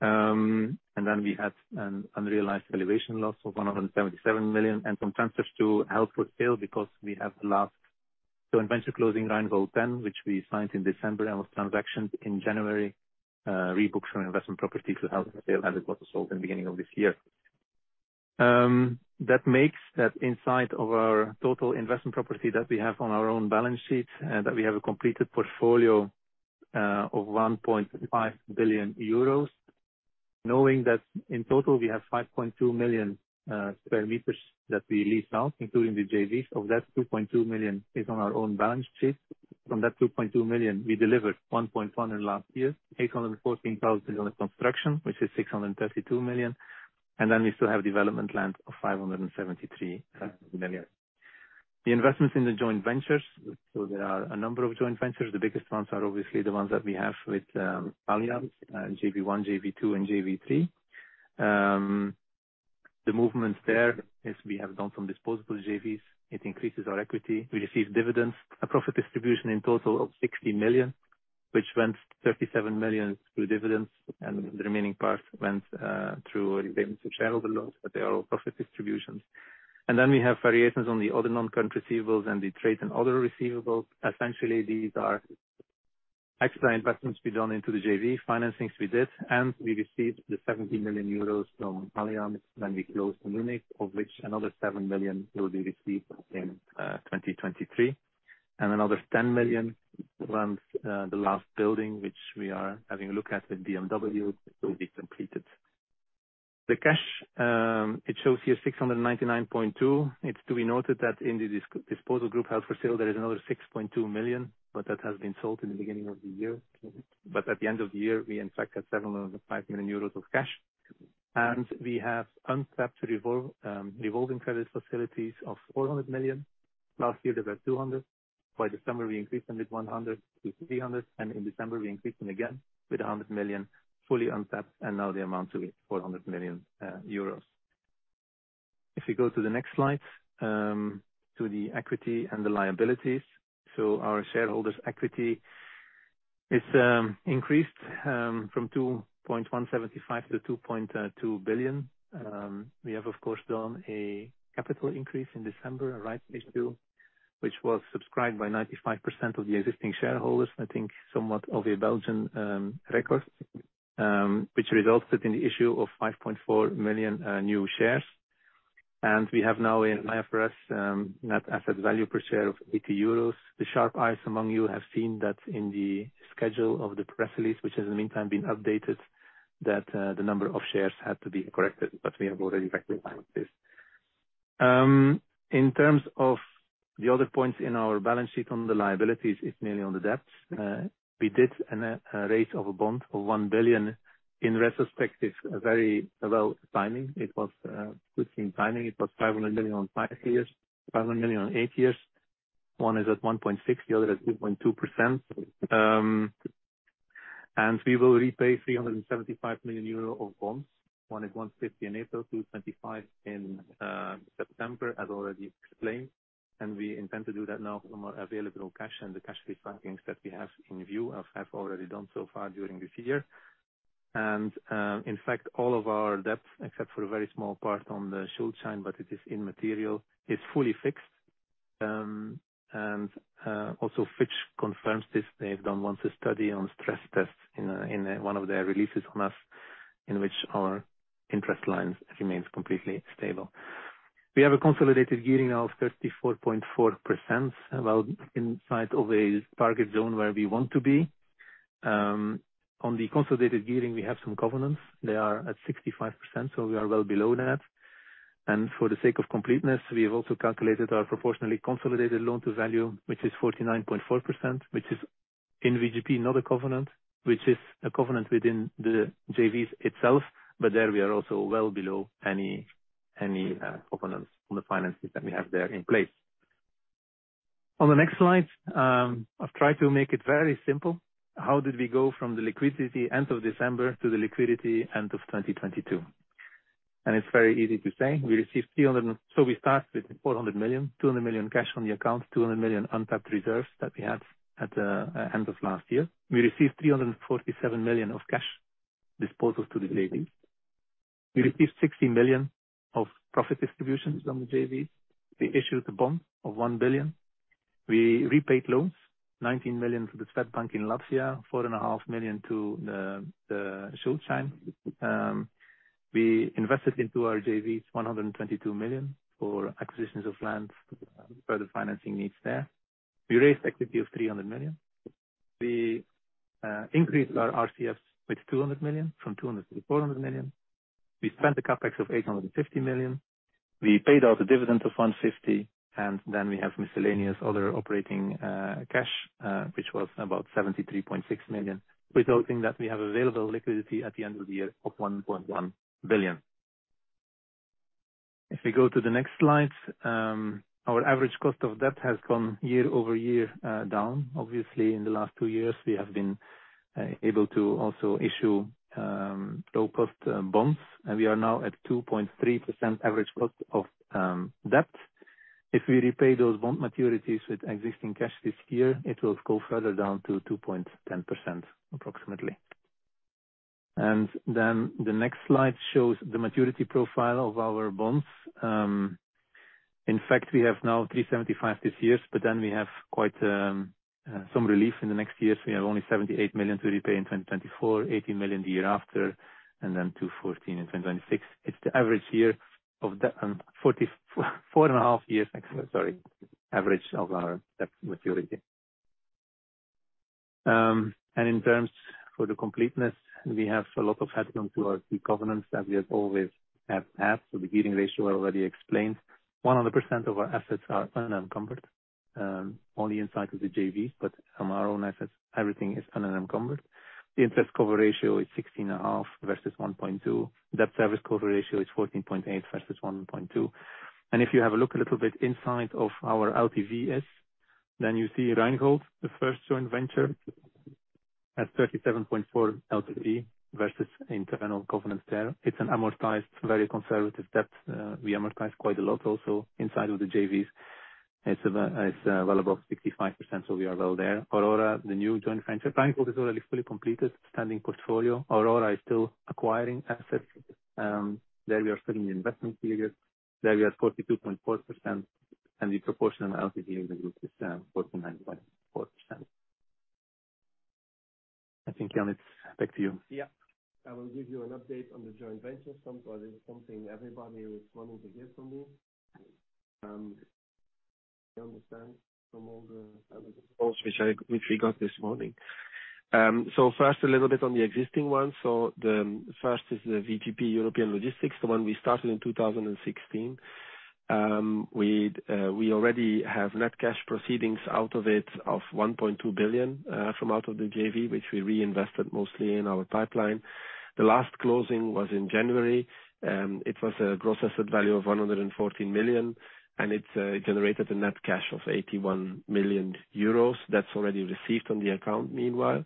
Speaker 2: We had an unrealized valuation loss of 177 million and some transfers to held-for-sale because we have the last joint venture closing RhineVolt 10, which we signed in December and was transacted in January, rebooked from investment property to held-for-sale as it was sold in the beginning of this year. That makes that inside of our total investment property that we have on our own balance sheet, that we have a completed portfolio of 1.5 billion euros. Knowing that in total we have 5.2 million sq m that we lease out, including the JVs. Of that, 2.2 million is on our own balance sheet. From that 2.2 million, we delivered 1.1 million in last year. 814,000 on the construction, which is 632 million. We still have development land of 573 million. The investments in the joint ventures. There are a number of joint ventures. The biggest ones are obviously the ones that we have with Allianz, JV 1, JV 2, and JV 3. The movements there is we have done some disposable JVs. It increases our equity. We receive dividends, a profit distribution in total of 60 million, which went 37 million through dividends, and the remaining part went through dividends to shareholder loans, but they are all profit distributions. We have variations on the other non-current receivables and the trade and other receivables. Essentially, these are extra investments we've done into the JV financings we did. We received the 70 million euros from Allianz when we closed Munich, of which another 7 million will be received in 2023. Another 10 million runs the last building which we are having a look at with BMW, will be completed. The cash it shows here 699.2 million. It's to be noted that in the disposal group held for sale, there is another 6.2 million, but that has been sold in the beginning of the year. At the end of the year, we in fact had 705 million euros of cash. We have untapped revolving credit facilities of 400 million. Last year they were 200 million. By December, we increased them with 100 million-300 million, and in December we increased them again with 100 million, fully untapped, and now they amount to 400 million euros. If we go to the next slide, to the equity and the liabilities. Our shareholders' equity is increased from 2.175 billion-2.2 billion. We have, of course, done a capital increase in December, a rights issue, which was subscribed by 95% of the existing shareholders. I think somewhat of a Belgian record, which resulted in the issue of 5.4 million new shares. We have now in IFRS net asset value per share of 80 euros. The sharp eyes among you have seen that in the schedule of the press release, which has in the meantime been updated, that the number of shares had to be corrected, we have already factor in like this. In terms of the other points in our balance sheet on the liabilities, it's mainly on the debts. We did a raise of a bond of 1 billion. In retrospect, it's very well timing. It was good timing. It was 500 million on five years, 500 million on eight years. One is at 1.6%, the other at 2.2%. We will repay 375 million euro of bonds. One at 150 million in April, 225 million in September, as already explained. We intend to do that now with the more available cash and the cash refrankings that we have in view of have already done so far during this year. In fact, all of our debt, except for a very small part on the Schuldschein, but it is in material, is fully fixed. Also Fitch confirms this. They've done once a study on stress tests in one of their releases on us, in which our interest lines remains completely stable. We have a consolidated gearing of 34.4%, about inside of a target zone where we want to be. On the consolidated gearing we have some covenants. They are at 65%, so we are well below that. For the sake of completeness, we have also calculated our proportionally consolidated loan to value, which is 49.4%, which is in VGP, not a covenant, which is a covenant within the JVs itself, but there we are also well below any covenants on the finances that we have there in place. On the next slide, I've tried to make it very simple. How did we go from the liquidity end of December to the liquidity end of 2022? It's very easy to say we start with 400 million, 200 million cash on the account, 200 million untapped reserves that we had at the end of last year. We received 347 million of cash disposals to the JVs. We received 60 million of profit distributions on the JVs. We issued a bond of 1 billion. We repaid loans, 19 million to Swedbank in Latvia, four and a half million to the Schuldchein. We invested into our JVs 122 million for acquisitions of lands, further financing needs there. We raised equity of 300 million. We increased our RCS with 200 million, from 200 million-400 million. We spent a CapEx of 850 million. We paid out a dividend of 150 million. We have miscellaneous other operating cash, which was about 73.6 million, resulting that we have available liquidity at the end of the year of 1.1 billion. If we go to the next slide, our average cost of debt has gone year-over-year down. Obviously, in the last two years we have been able to also issue low-cost bonds, and we are now at 2.3% average cost of debt. If we repay those bond maturities with existing cash this year, it will go further down to 2.10%, approximately. The next slide shows the maturity profile of our bonds. In fact, we have now 375 million this year, but then we have quite some relief in the next years. We have only 78 million to repay in 2024, 80 million the year after, and then 214 million in 2026. 4.5 years, sorry, average of our debt maturity. In terms for the completeness, we have a lot of headroom to our covenants that we always have had. The gearing ratio I already explained. 100% of our assets are unencumbered. Only inside of the JVs, but from our own assets, everything is unencumbered. The interest cover ratio is 16.5 versus 1.2. Debt service cover ratio is 14.8 versus 1.2. If you have a look a little bit inside of our LTVs, then you see Rheingold, the first joint venture, has 37.4 LTV versus internal governance there. It's an amortized very conservative debt. We amortize quite a lot also inside of the JVs. It's well above 65%, so we are well there. Aurora, the new joint venture. Rheingold is already fully completed standing portfolio. Aurora is still acquiring assets. There we are still in the investment period. There we are at 42.4%. The proportion of LTV in the group is 49.4%. I think, Jan, it's back to you.
Speaker 1: I will give you an update on the joint venture front. It's something everybody is wanting to hear from me. I understand from all the calls which we forgot this morning. First, a little bit on the existing one. The first is the VGP European Logistics, the one we started in 2016. We already have net cash proceedings out of it of 1.2 billion from out of the JV, which we reinvested mostly in our pipeline. The last closing was in January. It was a gross asset value of 114 million. It generated a net cash of 81 million euros that's already received on the account meanwhile.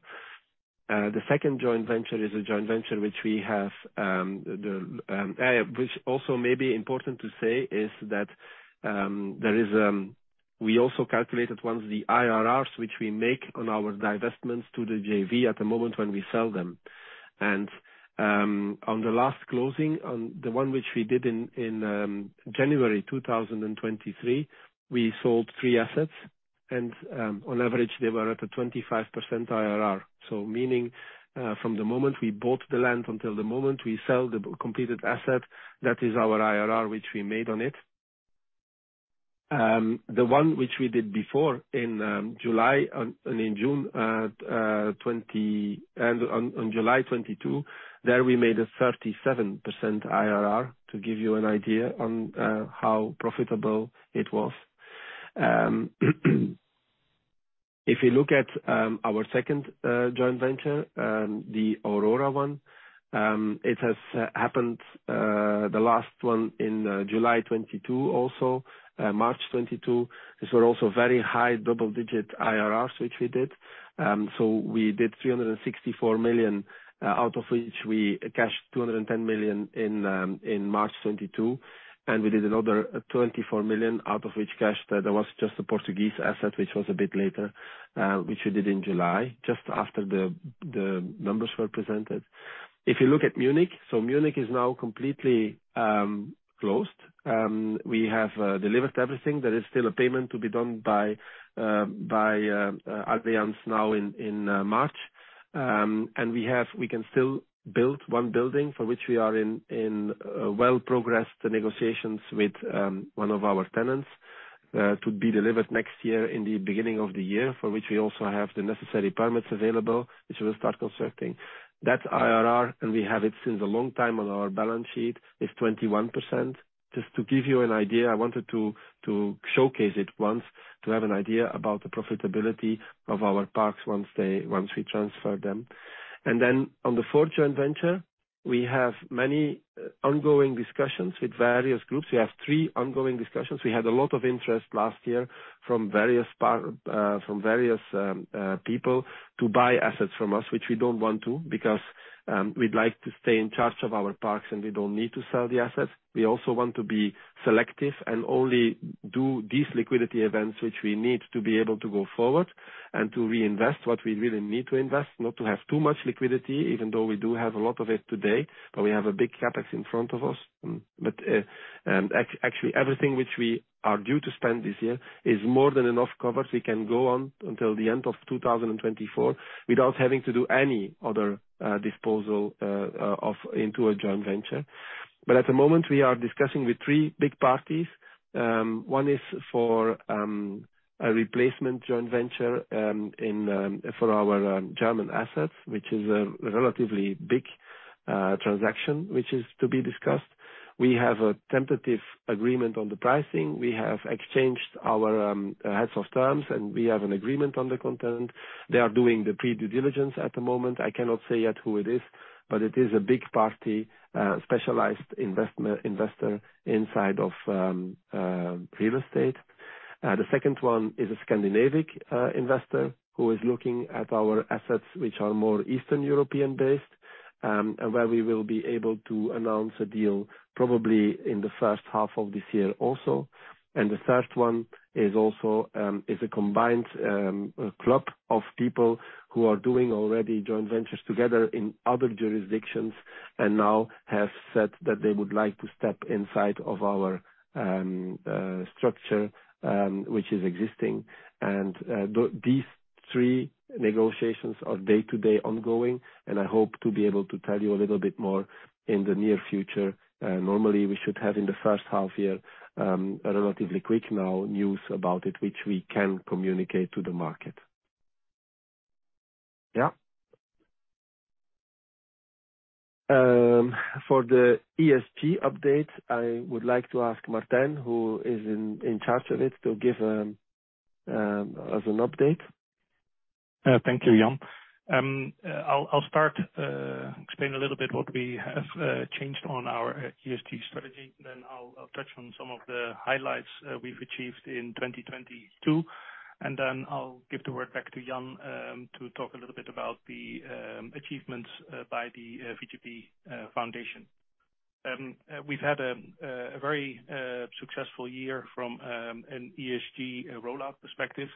Speaker 1: The second joint venture is a joint venture which we have, which also may be important to say is that there is, we also calculated once the IRRs, which we make on our divestments to the JV at the moment when we sell them. On the last closing on the one which we did in January 2023, we sold three assets, on average, they were at a 25% IRR. Meaning, from the moment we bought the land until the moment we sell the completed asset, that is our IRR, which we made on it. The one which we did before in July and in June, twenty... On July 2022, there we made a 37% IRR to give you an idea on how profitable it was. If you look at our second joint venture, the Aurora one, it has happened, the last one in July 2022 also, March 2022. These were also very high double-digit IRRs, which we did. We did 364 million, out of which we cashed 210 million in March 2022, and we did another 24 million, out of which cash there was just a Portuguese asset, which was a bit later, which we did in July, just after the numbers were presented. If you look at Munich. Munich is now completely closed. We have delivered everything. There is still a payment to be done by Adriance now in March. We can still build one building for which we are in well-progressed negotiations with one of our tenants to be delivered next year in the beginning of the year, for which we also have the necessary permits available, which we'll start constructing. That IRR, we have it since a long time on our balance sheet, is 21%. Just to give you an idea, I wanted to showcase it once to have an idea about the profitability of our parks once we transfer them. On the fourth joint venture, we have many ongoing discussions with various groups. We have three ongoing discussions. We had a lot of interest last year from various people to buy assets from us, which we don't want to because we'd like to stay in charge of our parks, and we don't need to sell the assets. We also want to be selective and only do these liquidity events, which we need to be able to go forward and to reinvest what we really need to invest, not to have too much liquidity, even though we do have a lot of it today, but we have a big CapEx in front of us. Actually, everything which we are due to spend this year is more than enough covered. We can go on until the end of 2024 without having to do any other disposal of into a joint venture. At the moment, we are discussing with three big parties. One is for a replacement joint venture in for our German assets, which is a relatively big transaction, which is to be discussed. We have a tentative agreement on the pricing. We have exchanged our heads of terms, and we have an agreement on the content. They are doing the pre-due diligence at the moment. I cannot say yet who it is, but it is a big party, specialized investor inside of real estate. The second one is a Scandinavian investor who is looking at our assets, which are more Eastern European-based, and where we will be able to announce a deal probably in the first half of this year also. The third one is also, is a combined club of people who are doing already joint ventures together in other jurisdictions and now have said that they would like to step inside of our structure, which is existing. These three negotiations are day-to-day ongoing, and I hope to be able to tell you a little bit more in the near future. Normally, we should have in the first half year, a relatively quick now news about it, which we can communicate to the market. Yeah. For the ESG update, I would like to ask Martijn, who is in charge of it, to give us an update.
Speaker 3: Thank you, Jan. I'll start, explain a little bit what we have, changed on our, ESG strategy. I'll touch on some of the highlights, we've achieved in 2022, and then I'll give the word back to Jan, to talk a little bit about the, achievements, by the, VGP, Foundation. We've had a very, successful year from, an ESG rollout perspective.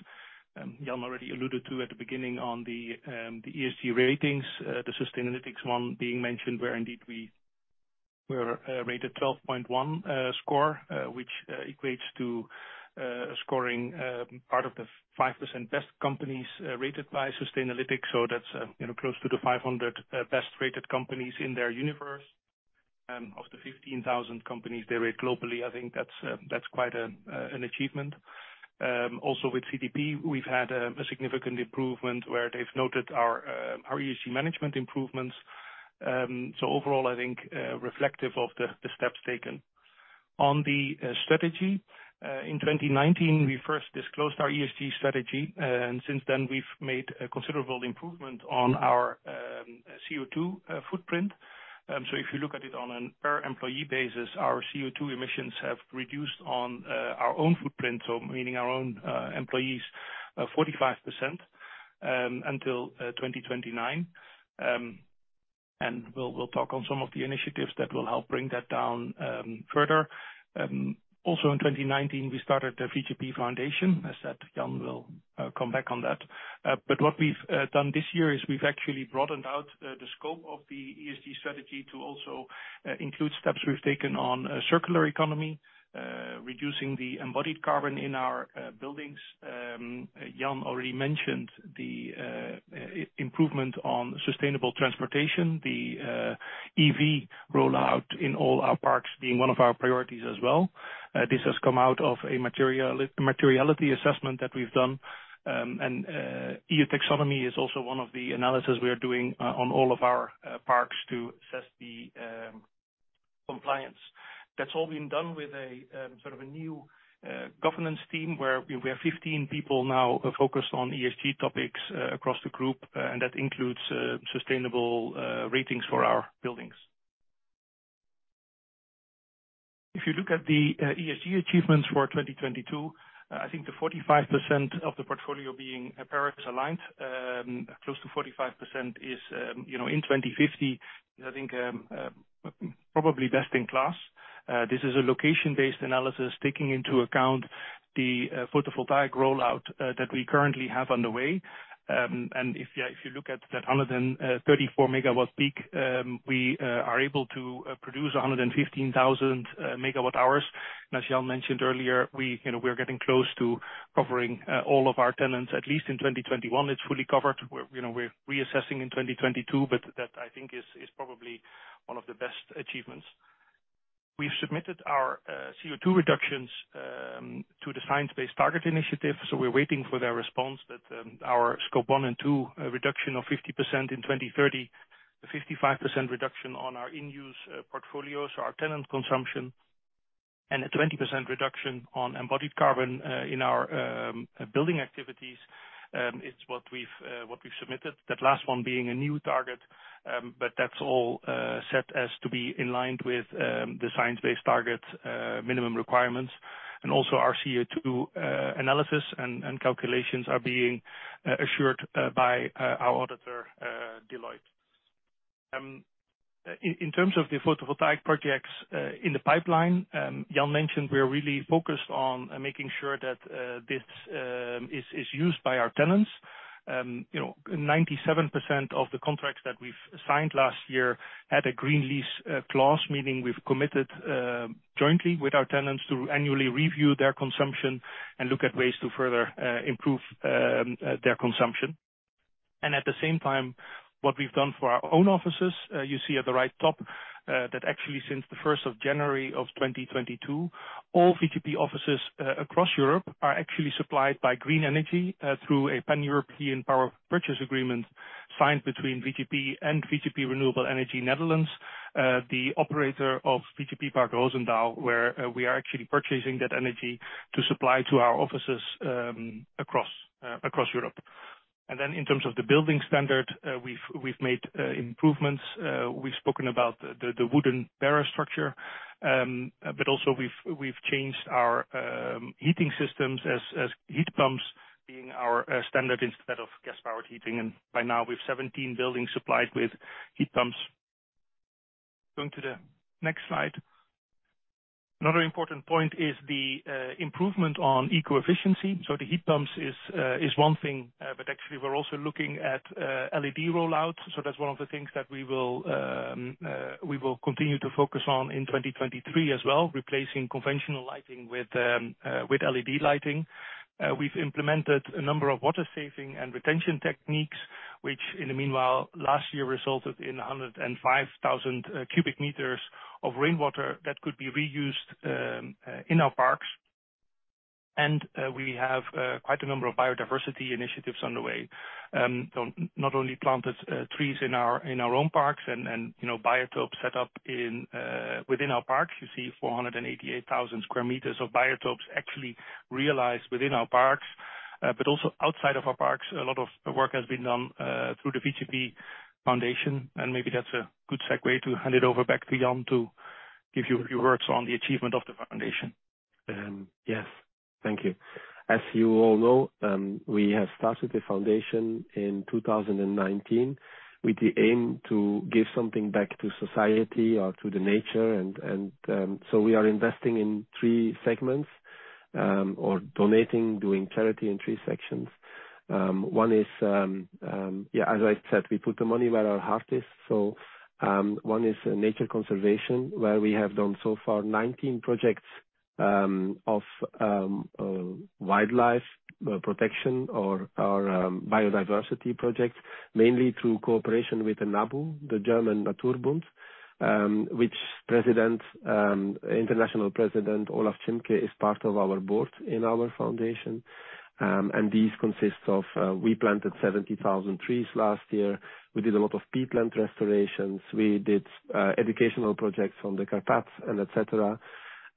Speaker 3: Jan already alluded to at the beginning on the ESG ratings, the Sustainalytics one being mentioned, where indeed we're, rated 12.1, score, which, equates to, scoring, part of the 5% best companies, rated by Sustainalytics. That's, you know, close to the 500, best rated companies in their universe. Of the 15,000 companies they rate globally, I think that's quite an achievement. Also with CDP, we've had a significant improvement where they've noted our ESG management improvements. Overall, I think reflective of the steps taken. On the strategy, in 2019, we first disclosed our ESG strategy, and since then we've made a considerable improvement on our CO2 footprint. If you look at it on a per employee basis, our CO2 emissions have reduced on our own footprint, so meaning our own employees, 45% until 2029. We'll talk on some of the initiatives that will help bring that down further. Also in 2019, we started the VGP Foundation. As said, Jan will come back on that. But what we've done this year is we've actually broadened out the scope of the ESG strategy to also include steps we've taken on a circular economy, reducing the embodied carbon in our buildings. Jan already mentioned the improvement on sustainable transportation. The EV rollout in all our parks being one of our priorities as well. This has come out of a materiality assessment that we've done. And EU taxonomy is also one of the analysis we are doing on all of our parks to assess the compliance. That's all been done with a sort of a new governance team, where we have 15 people now focused on ESG topics across the group, that includes sustainable ratings for our buildings. If you look at the ESG achievements for 2022, I think the 45% of the portfolio being Paris-aligned, close to 45% is, you know, in 2050, is I think probably best in class. This is a location-based analysis taking into account the photovoltaic rollout that we currently have on the way. If you look at that 134 MW-peak, we are able to produce 115,000 MWh. As Jan mentioned earlier, we, you know, we are getting close to covering all of our tenants. At least in 2021, it's fully covered. We're, you know, we're reassessing in 2022, but that, I think, is probably one of the best achievements. We've submitted our CO2 reductions to the Science Based Targets initiative, so we're waiting for their response. Our scope one and two reduction of 50% in 2030, 55% reduction on our in-use portfolios, so our tenant consumption, and a 20% reduction on embodied carbon in our building activities is what we've submitted. That last one being a new target, but that's all set as to be in line with the Science Based Targets minimum requirements. Also our CO2 analysis and calculations are being assured by our auditor, Deloitte. In terms of the photovoltaic projects in the pipeline, Jan mentioned we are really focused on making sure that this is used by our tenants. You know, 97% of the contracts that we've signed last year had a green lease clause, meaning we've committed jointly with our tenants to annually review their consumption and look at ways to further improve their consumption. At the same time, what we've done for our own offices, you see at the right top, that actually since the 1st of January of 2022, all VGP offices across Europe are actually supplied by green energy through a pan-European power purchase agreement signed between VGP and VGP Renewable Energy N.V., the operator of VGP Park Roosendaal, where we are actually purchasing that energy to supply to our offices across Europe. In terms of the building standard, we've made improvements. We've spoken about the wooden barrel theory, but also we've changed our heating systems as heat pumps being our standard instead of gas-powered heating. By now, we have 17 buildings supplied with heat pumps. Going to the next slide. Another important point is the improvement on eco-efficiency. The heat pumps is one thing, but actually we're also looking at LED rollouts. That's one of the things that we will continue to focus on in 2023 as well, replacing conventional lighting with LED lighting. We've implemented a number of water saving and retention techniques, which in the meanwhile last year resulted in 105,000 cubic meters of rainwater that could be reused in our parks. We have quite a number of biodiversity initiatives on the way. Not only planted trees in our, in our own parks and, you know, biotopes set up within our parks. You see sq m of biotopes actually realized within our parks. Also outside of our parks, a lot of work has been done through the VGP Foundation. Maybe that's a good segue to hand it over back to Jan to give you a few words on the achievement of the foundation.
Speaker 1: Yes. Thank you. As you all know, we have started the foundation in 2019 with the aim to give something back to society or to the nature. We are investing in 3 segments or donating, doing charity in 3 sections. One is, as I said, we put the money where our heart is. One is nature conservation, where we have done so far 19 projects of wildlife protection or biodiversity projects, mainly through cooperation with the NABU, the German Naturbund, which President, International President Olaf Tschimpke is part of our board in our foundation. These consist of, we planted 70,000 trees last year. We did a lot of peatland restorations. We did educational projects on the Karpaten and et cetera.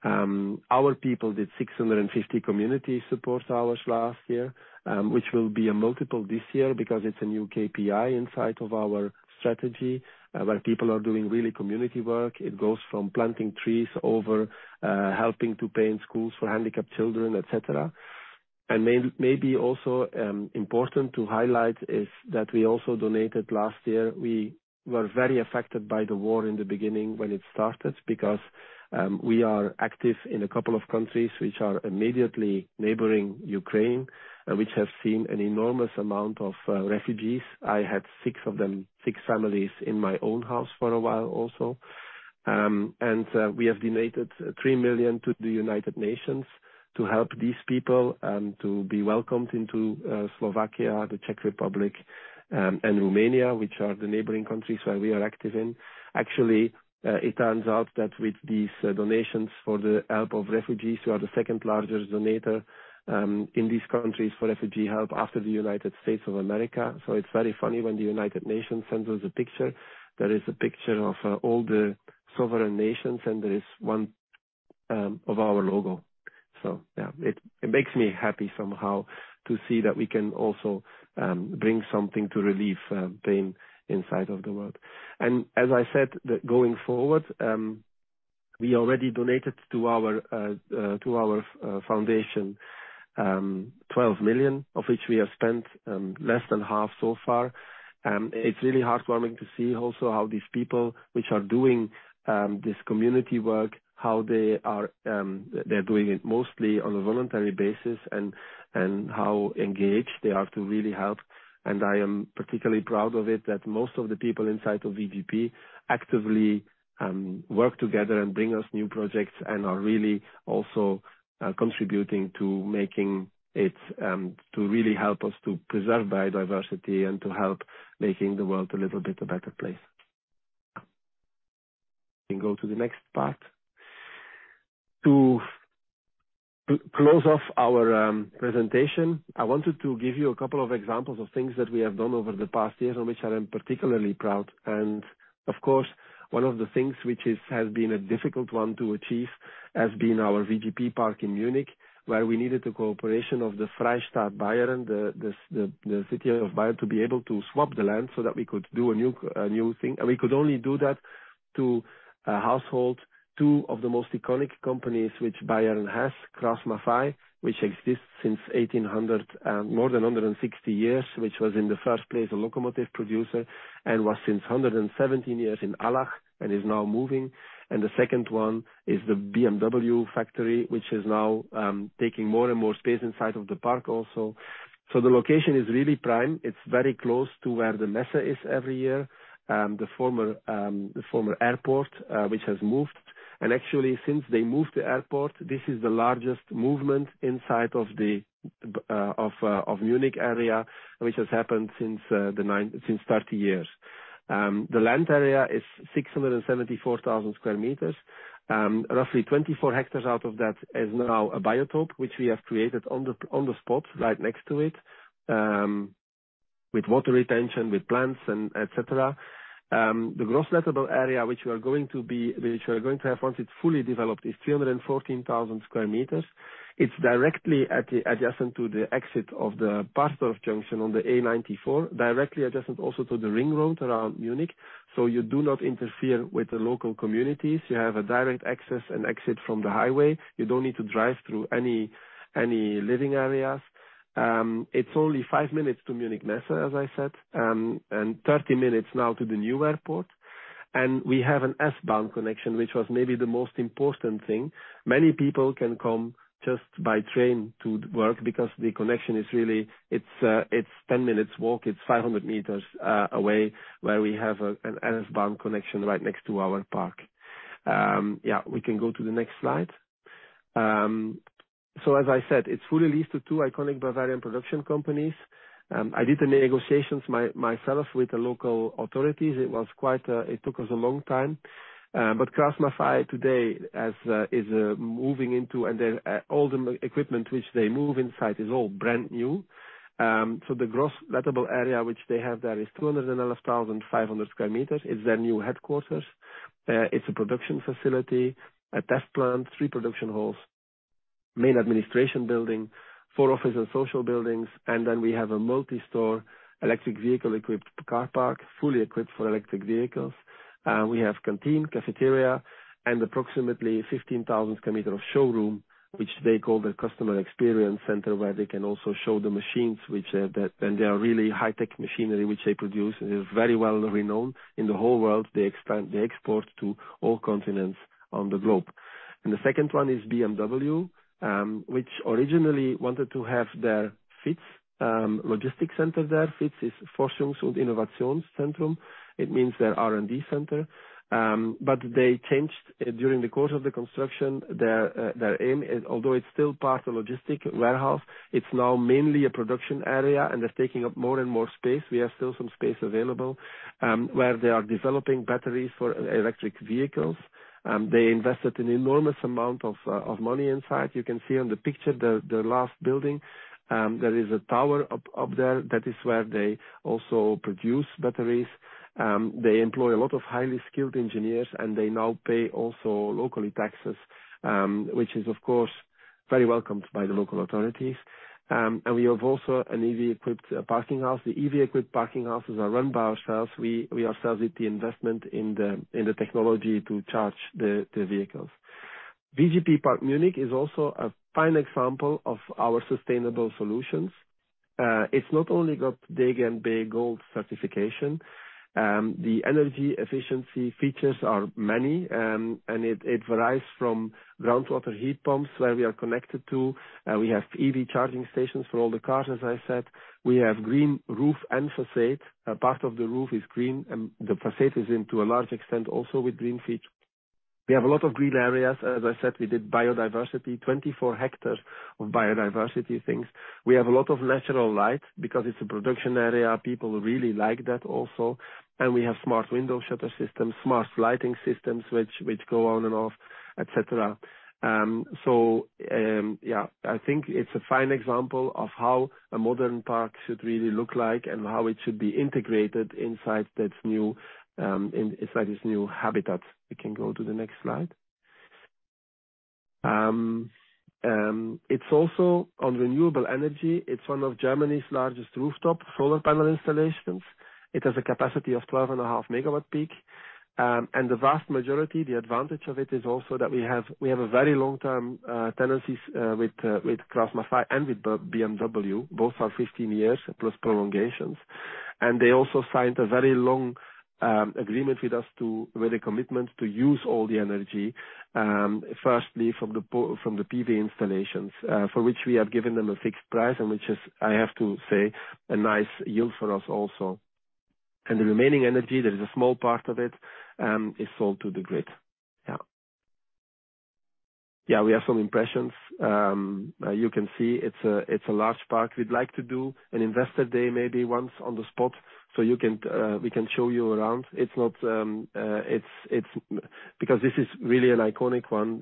Speaker 1: Our people did 650 community support hours last year, which will be a multiple this year because it's a new KPI inside of our strategy, where people are doing really community work. It goes from planting trees over helping to pay in schools for handicapped children, et cetera. Maybe also important to highlight is that we also donated last year. We were very affected by the war in the beginning when it started because we are active in a couple of countries which are immediately neighboring Ukraine, which have seen an enormous amount of refugees. I had 6 of them, 6 families in my own house for a while also. We have donated 3 million to the United Nations to help these people and to be welcomed into Slovakia, the Czech Republic, and Romania, which are the neighboring countries where we are active in. It turns out that with these donations for the help of refugees, we are the second largest donator in these countries for refugee help after the United States of America. It's very funny when the United Nations sends us a picture that is a picture of all the sovereign nations, and there is one of our logo. It makes me happy somehow to see that we can also bring something to relieve pain inside of the world. As I said that going forward, we already donated to our foundation, 12 million, of which we have spent less than half so far. It's really heartwarming to see also how these people, which are doing this community work, how they are doing it mostly on a voluntary basis and how engaged they are to really help. I am particularly proud of it that most of the people inside of VGP actively work together and bring us new projects and are really also contributing to making it to really help us to preserve biodiversity and to help making the world a little bit a better place. We can go to the next part. To close off our presentation, I wanted to give you a couple of examples of things that we have done over the past years on which I am particularly proud. Of course, one of the things which has been a difficult one to achieve has been our VGP Park in Munich, where we needed the cooperation of the Freistaat Bayern, the city of Bayern to be able to swap the land so that we could do a new thing. We could only do that to a household, two of the most iconic companies which Bayern has, KraussMaffei, which exists since 1800, more than 160 years, which was in the first place a locomotive producer and was since 117 years in Allach and is now moving. The second one is the BMW factory, which is now taking more and more space inside of the park also. The location is really prime. It's very close to where the Messe is every year. The former, the former airport, which has moved. Actually, since they moved the airport, this is the largest movement inside of the Munich area, which has happened since 30 years. The land area is sq m. roughly 24 hectares out of that is now a biotope, which we have created on the spot right next to it, with water retention, with plants and et cetera. The gross lettable area which we are going to have once it's fully developed is sq m. it's directly adjacent to the exit of the Parsdorf junction on the A94, directly adjacent also to the ring road around Munich, so you do not interfere with the local communities. You have a direct access and exit from the highway. You don't need to drive through any living areas. It's only 5 minutes to Munich Messe, as I said, and 30 minutes now to the new airport. We have an S-Bahn connection, which was maybe the most important thing. Many people can come just by train to work because the connection is really, it's 10 minutes walk. It's 500 meters away where we have an S-Bahn connection right next to our park. Yeah, we can go to the next slide. As I said, it's fully leased to 2 iconic Bavarian production companies. I did the negotiations myself with the local authorities. It took us a long time, KraussMaffei today as is moving into, and all the equipment which they move inside is all brand new. The gross lettable area which they have there is sq m. it's their new headquarters. It's a production facility, a test plant, 3 production halls, main administration building, 4 office and social buildings. We have a multi-story electric vehicle-equipped car park, fully equipped for electric vehicles. We have canteen, cafeteria and approximately sq m of showroom, which they call their customer experience center, where they can also show the machines which they are really high-tech machinery which they produce, and it is very well renowned in the whole world. They export to all continents on the globe. The second one is BMW, which originally wanted to have their FIT logistics center there. FIT is Forschungs- und Innovationszentrum. It means their R&D center. They changed during the course of the construction their aim. Although it's still part of the logistic warehouse, it's now mainly a production area and they're taking up more and more space. We have still some space available, where they are developing batteries for electric vehicles. They invested an enormous amount of money inside. You can see on the picture the last building, there is a tower up there. That is where they also produce batteries. They employ a lot of highly skilled engineers, they now pay also locally taxes, which is of course, very welcomed by the local authorities. We have also an EV-equipped parking house. The EV-equipped parking houses are run by ourselves. We ourselves did the investment in the technology to charge the vehicles. VGP Park Munich is also a fine example of our sustainable solutions. It's not only got BREEAM Very Good certification. The energy efficiency features are many, it varies from groundwater heat pumps, where we are connected to. We have EV charging stations for all the cars, as I said. We have green roof and façade. A part of the roof is green, the façade is into a large extent also with green feet. We have a lot of green areas. As I said, we did biodiversity, 24 hectares of biodiversity things. We have a lot of natural light because it's a production area. People really like that also. We have smart window shutter systems, smart lighting systems which go on and off, et cetera. Yeah, I think it's a fine example of how a modern park should really look like and how it should be integrated inside this new habitat. We can go to the next slide. It's also on renewable energy. It's one of Germany's largest rooftop solar panel installations. It has a capacity of 12.5 MW-peak. The vast majority, the advantage of it is also that we have a very long-term tenancies with KraussMaffei and with BMW. Both are 15 years plus prolongations. They also signed a very long agreement with us With a commitment to use all the energy firstly from the PV installations, for which we have given them a fixed price and which is, I have to say, a nice yield for us also. The remaining energy, there is a small part of it, is sold to the grid. Yeah, we have some impressions. You can see it's a large park. We'd like to do an investor day, maybe once on the spot, so you can, we can show you around. Because this is really an iconic one,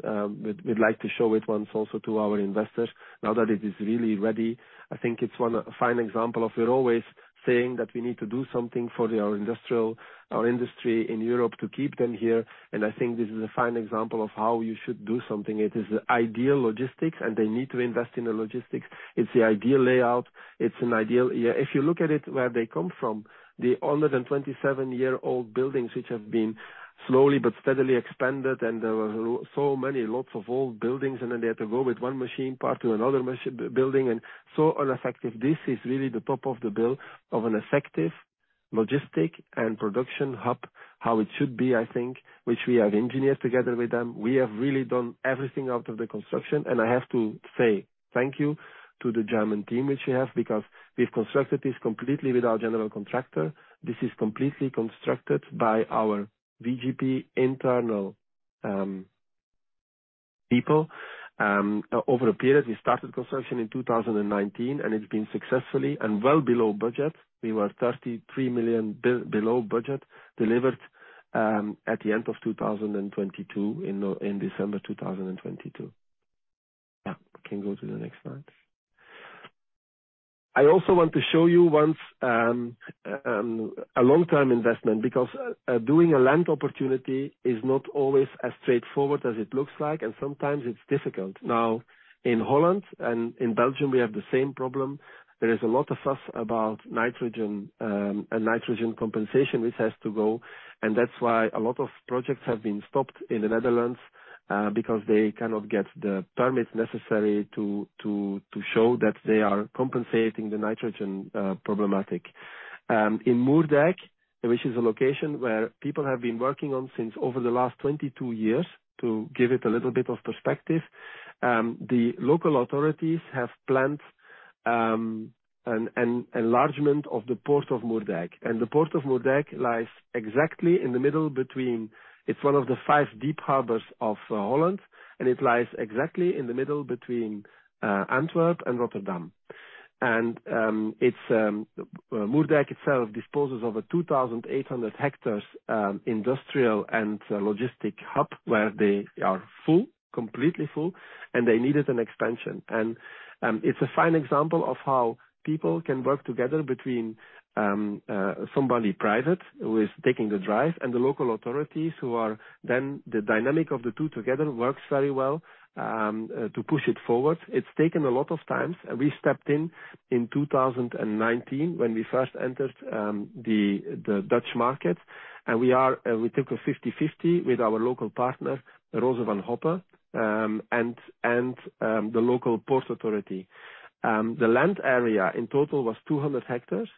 Speaker 1: we'd like to show it once also to our investors now that it is really ready. I think it's a fine example of we're always saying that we need to do something for our industry in Europe to keep them here. I think this is a fine example of how you should do something. It is ideal logistics. They need to invest in the logistics. It's the ideal layout. It's an ideal. If you look at it, where they come from, the 127-year-old buildings, which have been slowly but steadily expanded. There were so many lots of old buildings. They had to go with one machine park to another building, so ineffective. This is really the top of the build of an effective logistic and production hub, how it should be, I think, which we have engineered together with them. We have really done everything out of the construction. I have to say thank you to the German team which we have because we've constructed this completely with our general contractor. This is completely constructed by our VGP internal people over a period. We started construction in 2019, and it's been successfully and well below budget. We were 33 million below budget, delivered at the end of 2022, in December 2022. We can go to the next slide. I also want to show you once a long-term investment, because doing a land opportunity is not always as straightforward as it looks like, and sometimes it's difficult. In Holland and in Belgium, we have the same problem. There is a lot of fuss about nitrogen and nitrogen compensation which has to go, that's why a lot of projects have been stopped in the Netherlands because they cannot get the permits necessary to show that they are compensating the nitrogen problematic. In Moerdijk, which is a location where people have been working on since over the last 22 years, to give it a little bit of perspective, the local authorities have planned an enlargement of the Port of Moerdijk. The Port of Moerdijk lies exactly in the middle between... It's one of the 5 deep harbors of Holland. It lies exactly in the middle between Antwerp and Rotterdam. It's Moerdijk itself disposes over 2,800 hectares industrial and logistic hub, where they are full, completely full, and they needed an expansion. It's a fine example of how people can work together between somebody private who is taking the drive and the local authorities who are then the dynamic of the two together works very well to push it forward. It's taken a lot of times. We stepped in in 2019 when we first entered the Dutch market. We took a 50/50 with our local partner, Rose Van Hoppe, and the local port authority. The land area in total was 200 hectares.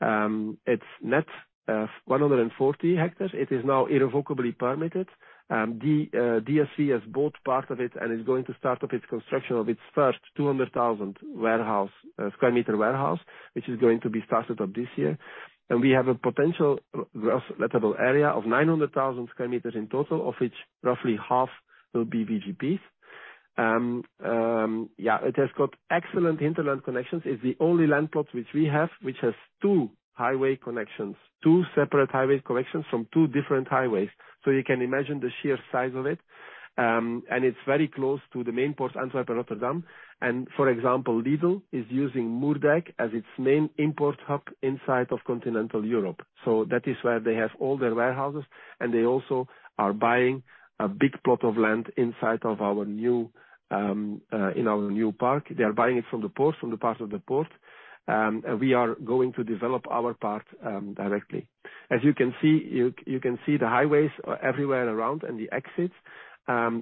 Speaker 1: Its net 140 hectares. It is now irrevocably permitted. DSC has bought part of it and is going to start up its construction of its first 200,000 sq m warehouse, which is going to be started up this year. We have a potential leasable area of sq m in total, of which roughly half will be VGPs. It has got excellent hinterland connections. It's the only land plot which we have which has 2 highway connections. 2 separate highway connections from 2 different highways. You can imagine the sheer size of it. It's very close to the main port, Antwerp and Rotterdam. For example, Lidl is using Moerdijk as its main import hub inside of continental Europe. That is where they have all their warehouses, and they also are buying a big plot of land inside of our new in our new park. They are buying it from the port, from the part of the port. We are going to develop our part directly. As you can see, you can see the highways everywhere around and the exits.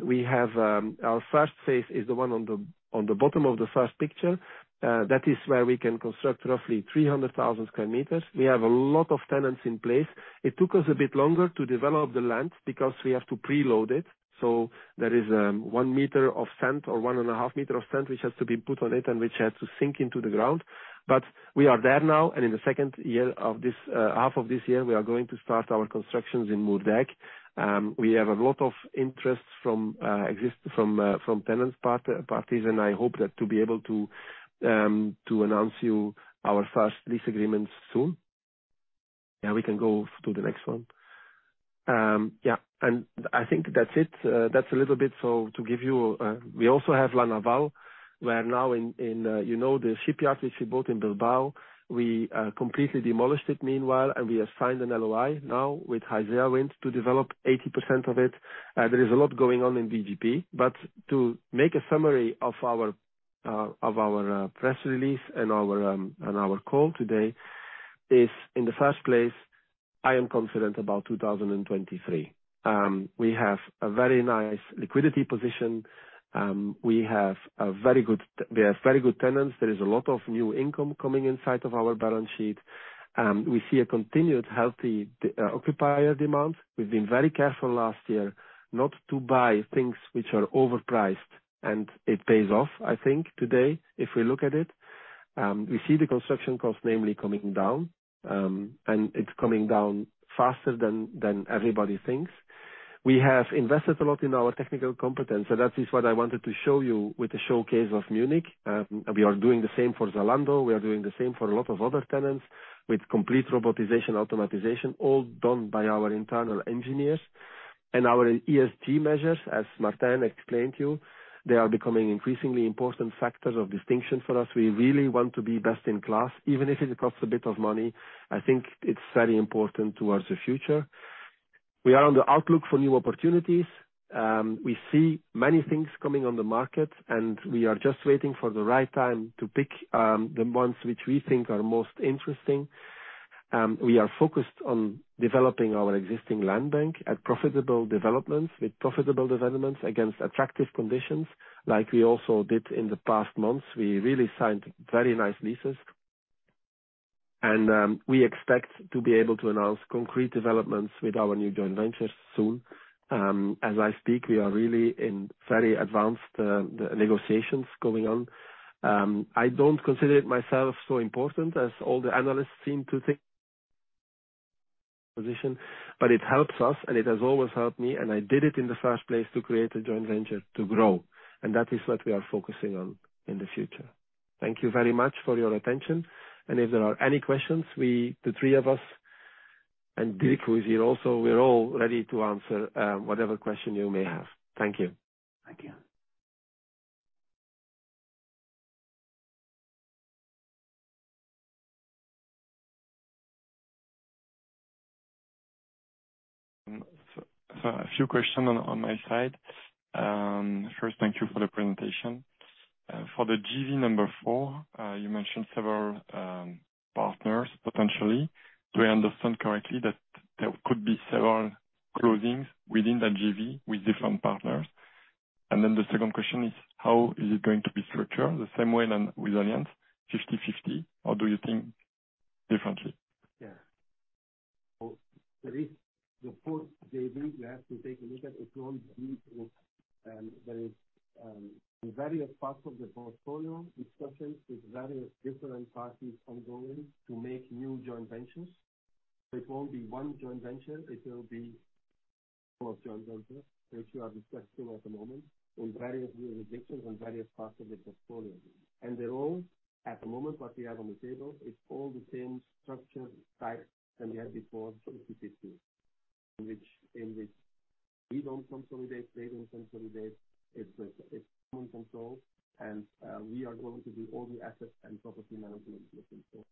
Speaker 1: We have our first phase is the one on the bottom of the first picture. That is where we can construct roughly sq m. we have a lot of tenants in place. It took us a bit longer to develop the land because we have to pre-load it. There is one meter of sand or one and a half meter of sand, which has to be put on it and which has to sink into the ground. We are there now, and in half of this year, we are going to start our constructions in Moerdijk. We have a lot of interest from tenants part-parties, and I hope that to be able to announce you our first lease agreements soon. Yeah, we can go to the next one. Yeah, I think that's it. That's a little bit. To give you, we also have La Naval, where now in, you know, the shipyard which we bought in Bilbao, we completely demolished it meanwhile, and we have signed an LOI now with Haizea Wind to develop 80% of it. There is a lot going on in VGP. To make a summary of our of our press release and our and our call today is, in the first place, I am confident about 2023. We have a very nice liquidity position. We have very good tenants. There is a lot of new income coming inside of our balance sheet. We see a continued healthy occupier demand. We've been very careful last year not to buy things which are overpriced, and it pays off, I think, today, if we look at it. We see the construction cost mainly coming down, and it's coming down faster than everybody thinks. We have invested a lot in our technical competence, so that is what I wanted to show you with the showcase of Munich. We are doing the same for Zalando. We are doing the same for a lot of other tenants with complete robotization, automatization, all done by our internal engineers. Our ESG measures, as Martijn explained to you, they are becoming increasingly important factors of distinction for us. We really want to be best in class, even if it costs a bit of money. I think it's very important towards the future. We are on the outlook for new opportunities. We see many things coming on the market, and we are just waiting for the right time to pick the ones which we think are most interesting. We are focused on developing our existing land bank at profitable developments with profitable developments against attractive conditions, like we also did in the past months. We really signed very nice leases. We expect to be able to announce concrete developments with our new joint ventures soon. As I speak, we are really in very advanced negotiations going on. I don't consider it myself so important as all the analysts seem to think position, but it helps us, and it has always helped me, and I did it in the first place to create a joint venture to grow, and that is what we are focusing on in the future. Thank you very much for your attention. If there are any questions, we, the three of us, and Dirk who is here also, we're all ready to answer whatever question you may have. Thank you.
Speaker 4: Thank you.
Speaker 5: A few questions on my side. First, thank you for the presentation. For the JV number 4, you mentioned several partners, potentially. Do I understand correctly that there could be several closings within that JV with different partners? The second question is: How is it going to be structured? The same way than with Allianz, 50/50? Or do you think differently?
Speaker 1: Yeah. The 4th JV, we have to take a look at it, won't be, there is various parts of the portfolio discussions with various different parties ongoing to make new joint ventures. It won't be 1 joint venture. Most joint ventures, which we are discussing at the moment in various jurisdictions and various parts of the portfolio, and they're all at the moment, what we have on the table is all the same structure type than we had before 2022, in which we don't consolidate, they don't consolidate. It's common control and we are going to do all the assets and property management within scope.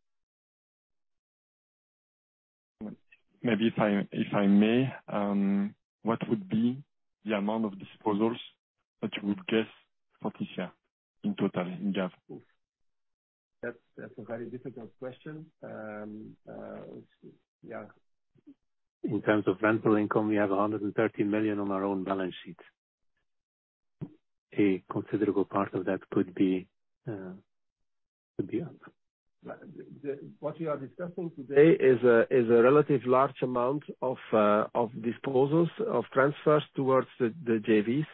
Speaker 5: Maybe if I may, what would be the amount of disposals that you would guess for this year in total in job growth?
Speaker 1: That's a very difficult question. Yeah.
Speaker 2: In terms of rental income, we have 130 million on our own balance sheet. A considerable part of that could be
Speaker 1: What we are discussing today is a relative large amount of disposals, of transfers towards the JVs.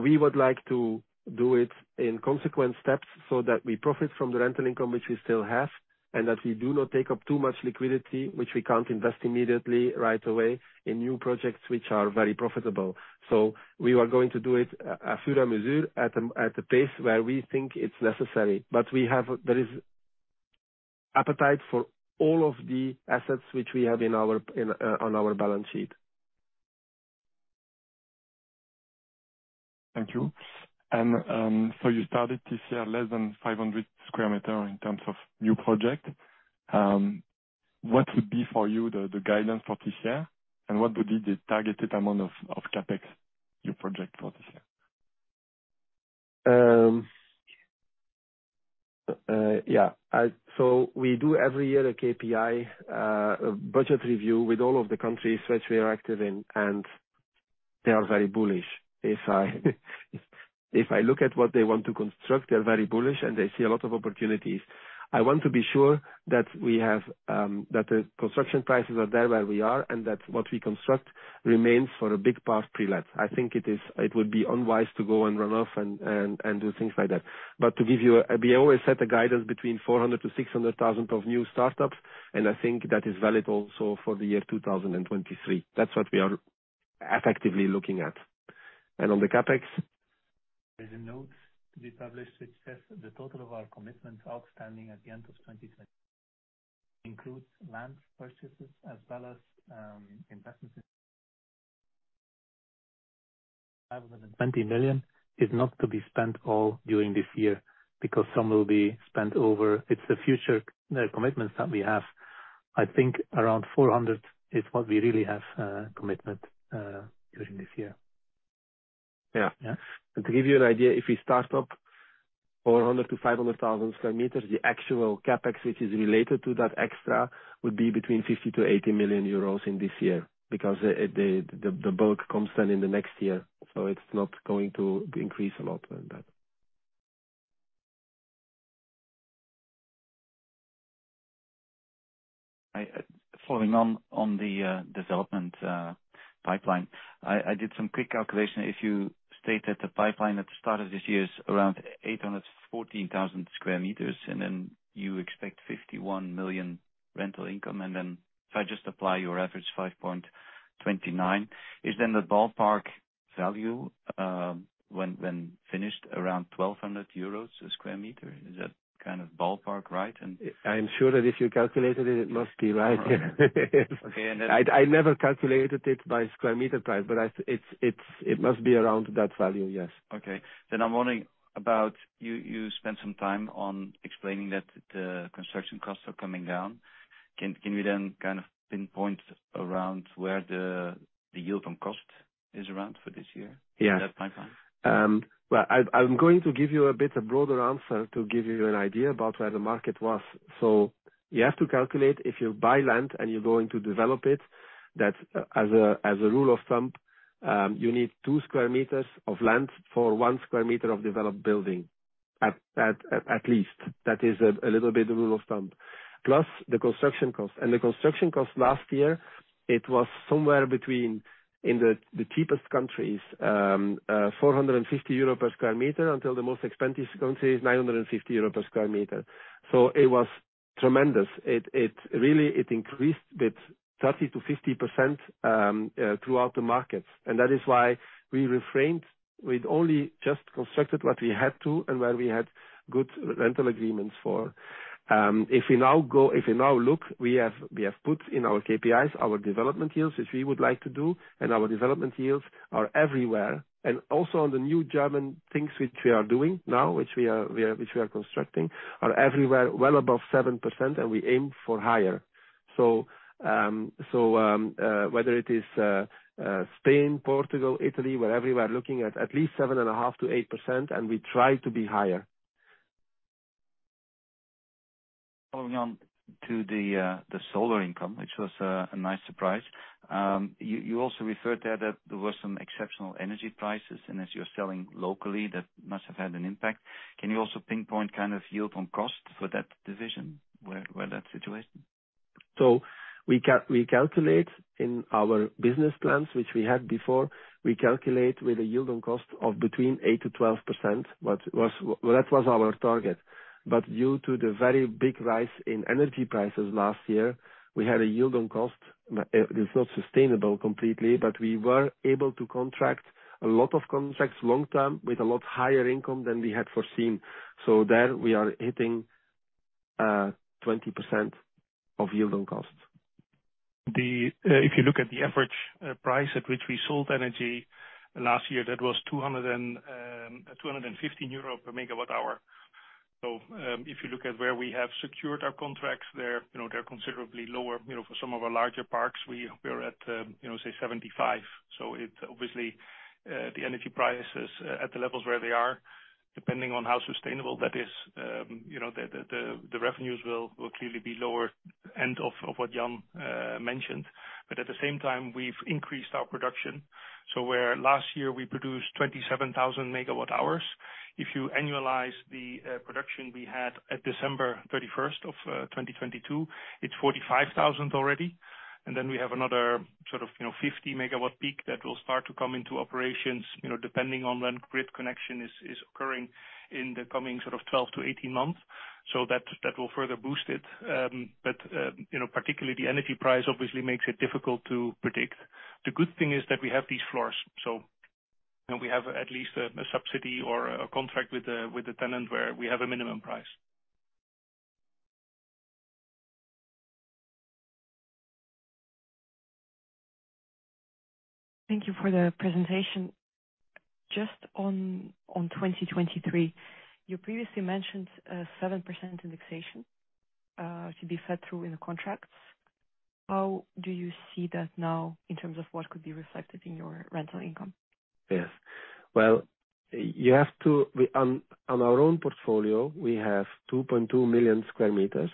Speaker 1: We would like to do it in consequent steps so that we profit from the rental income which we still have, and that we do not take up too much liquidity, which we can't invest immediately right away in new projects which are very profitable. We are going to do it at a pace where we think it's necessary. There is appetite for all of the assets which we have on our balance sheet.
Speaker 5: Thank you. You started this year less than 500 sq m in terms of new project. What would be for you the guidance for this year, and what would be the targeted amount of CapEx you project for this year?
Speaker 1: We do every year a KPI budget review with all of the countries which we are active in, and they are very bullish. If I look at what they want to construct, they're very bullish, and they see a lot of opportunities. I want to be sure that we have that the construction prices are there where we are, and that what we construct remains for a big part pre-let. I think it would be unwise to go and run off and do things like that. We always set a guidance between 400,000-600,000 of new startups, and I think that is valid also for the year 2023. That's what we are effectively looking at. On the CapEx?
Speaker 2: There's a note to be published which says the total of our commitments outstanding at the end of 2020 includes land purchases as well as investments in. 520 million is not to be spent all during this year because some will be spent over. It's the future commitments that we have. I think around 400 million is what we really have commitment during this year.
Speaker 1: Yeah.
Speaker 2: Yeah.
Speaker 1: To give you an idea, if we start up 400,000-500,000 sq m, the actual CapEx which is related to that extra would be between 50 million-80 million euros in this year because the bulk comes then in the next year. It's not going to increase a lot on that.
Speaker 5: I following on the development pipeline, I did some quick calculation. If you state that the pipeline at the start of this year is around sq m, and then you expect 51 million rental income, and then if I just apply your average 5.29, is then the ballpark value, when finished around 1,200 euros a sq m? Is that kind of ballpark right?
Speaker 1: I'm sure that if you calculated it must be right.
Speaker 5: Okay.
Speaker 1: I never calculated it by sq m price, but it must be around that value, yes.
Speaker 5: Okay. I'm wondering about, you spent some time on explaining that the construction costs are coming down. Can we then kind of pinpoint around where the yield on cost is around for this year?
Speaker 1: Yeah.
Speaker 5: At that point in time.
Speaker 1: Well, I'm going to give you a bit a broader answer to give you an idea about where the market was. You have to calculate if you buy land and you're going to develop it, that as a, as a rule of thumb, you need sq m of land for 1 sq m of developed building at least. That is a little bit of rule of thumb. Plus the construction cost. The construction cost last year, it was somewhere between, in the cheapest countries, 450 euro per sq m until the most expensive country is 950 euro per sq m. It was tremendous. It really increased with 30%-50% throughout the markets. That is why we refrained. We'd only just constructed what we had to and where we had good rental agreements for. If we now look, we have put in our KPIs our development yields, which we would like to do. Our development yields are everywhere. Also on the new German things which we are doing now, which we are constructing, are everywhere well above 7% and we aim for higher. whether it is Spain, Portugal, Italy, wherever you are looking at least 7.5%-8%, and we try to be higher.
Speaker 5: Following on to the the solar income, which was a nice surprise, you also referred there that there were some exceptional energy prices, and as you're selling locally, that must have had an impact. Can you also pinpoint kind of yield on cost for that division, where that situation?
Speaker 1: We calculate in our business plans, which we had before, we calculate with a yield on cost of between 8%-12%. Well, that was our target. Due to the very big rise in energy prices last year, we had a yield on cost, it's not sustainable completely, but we were able to contract a lot of contracts long-term with a lot higher income than we had foreseen. There we are hitting 20% of yield on costs.
Speaker 3: If you look at the average price at which we sold energy last year, that was 215 euro per MW hour. If you look at where we have secured our contracts, they're, you know, they're considerably lower, you know, for some of our larger parks. We are at, you know, say 75. It obviously the energy prices at the levels where they are, depending on how sustainable that is, you know, the revenues will clearly be lower end of what Jan mentioned. At the same time, we've increased our production. Where last year we produced 27,000 MWh, if you annualize the production we had at December 31st of 2022, it's 45,000 already. Then we have another sort of, you know, 50 MW-peak that will start to come into operations, you know, depending on when grid connection is occurring in the coming sort of 12 to 18 months. That will further boost it. You know, particularly the energy price obviously makes it difficult to predict. The good thing is that we have these floors, so, and we have at least a subsidy or a contract with the tenant where we have a minimum price.
Speaker 5: Thank you for the presentation. Just on 2023, you previously mentioned a 7% indexation to be fed through in the contracts. How do you see that now in terms of what could be reflected in your rental income?
Speaker 1: Yes. Well, you have to. On our own portfolio, we have 2.2 sq m,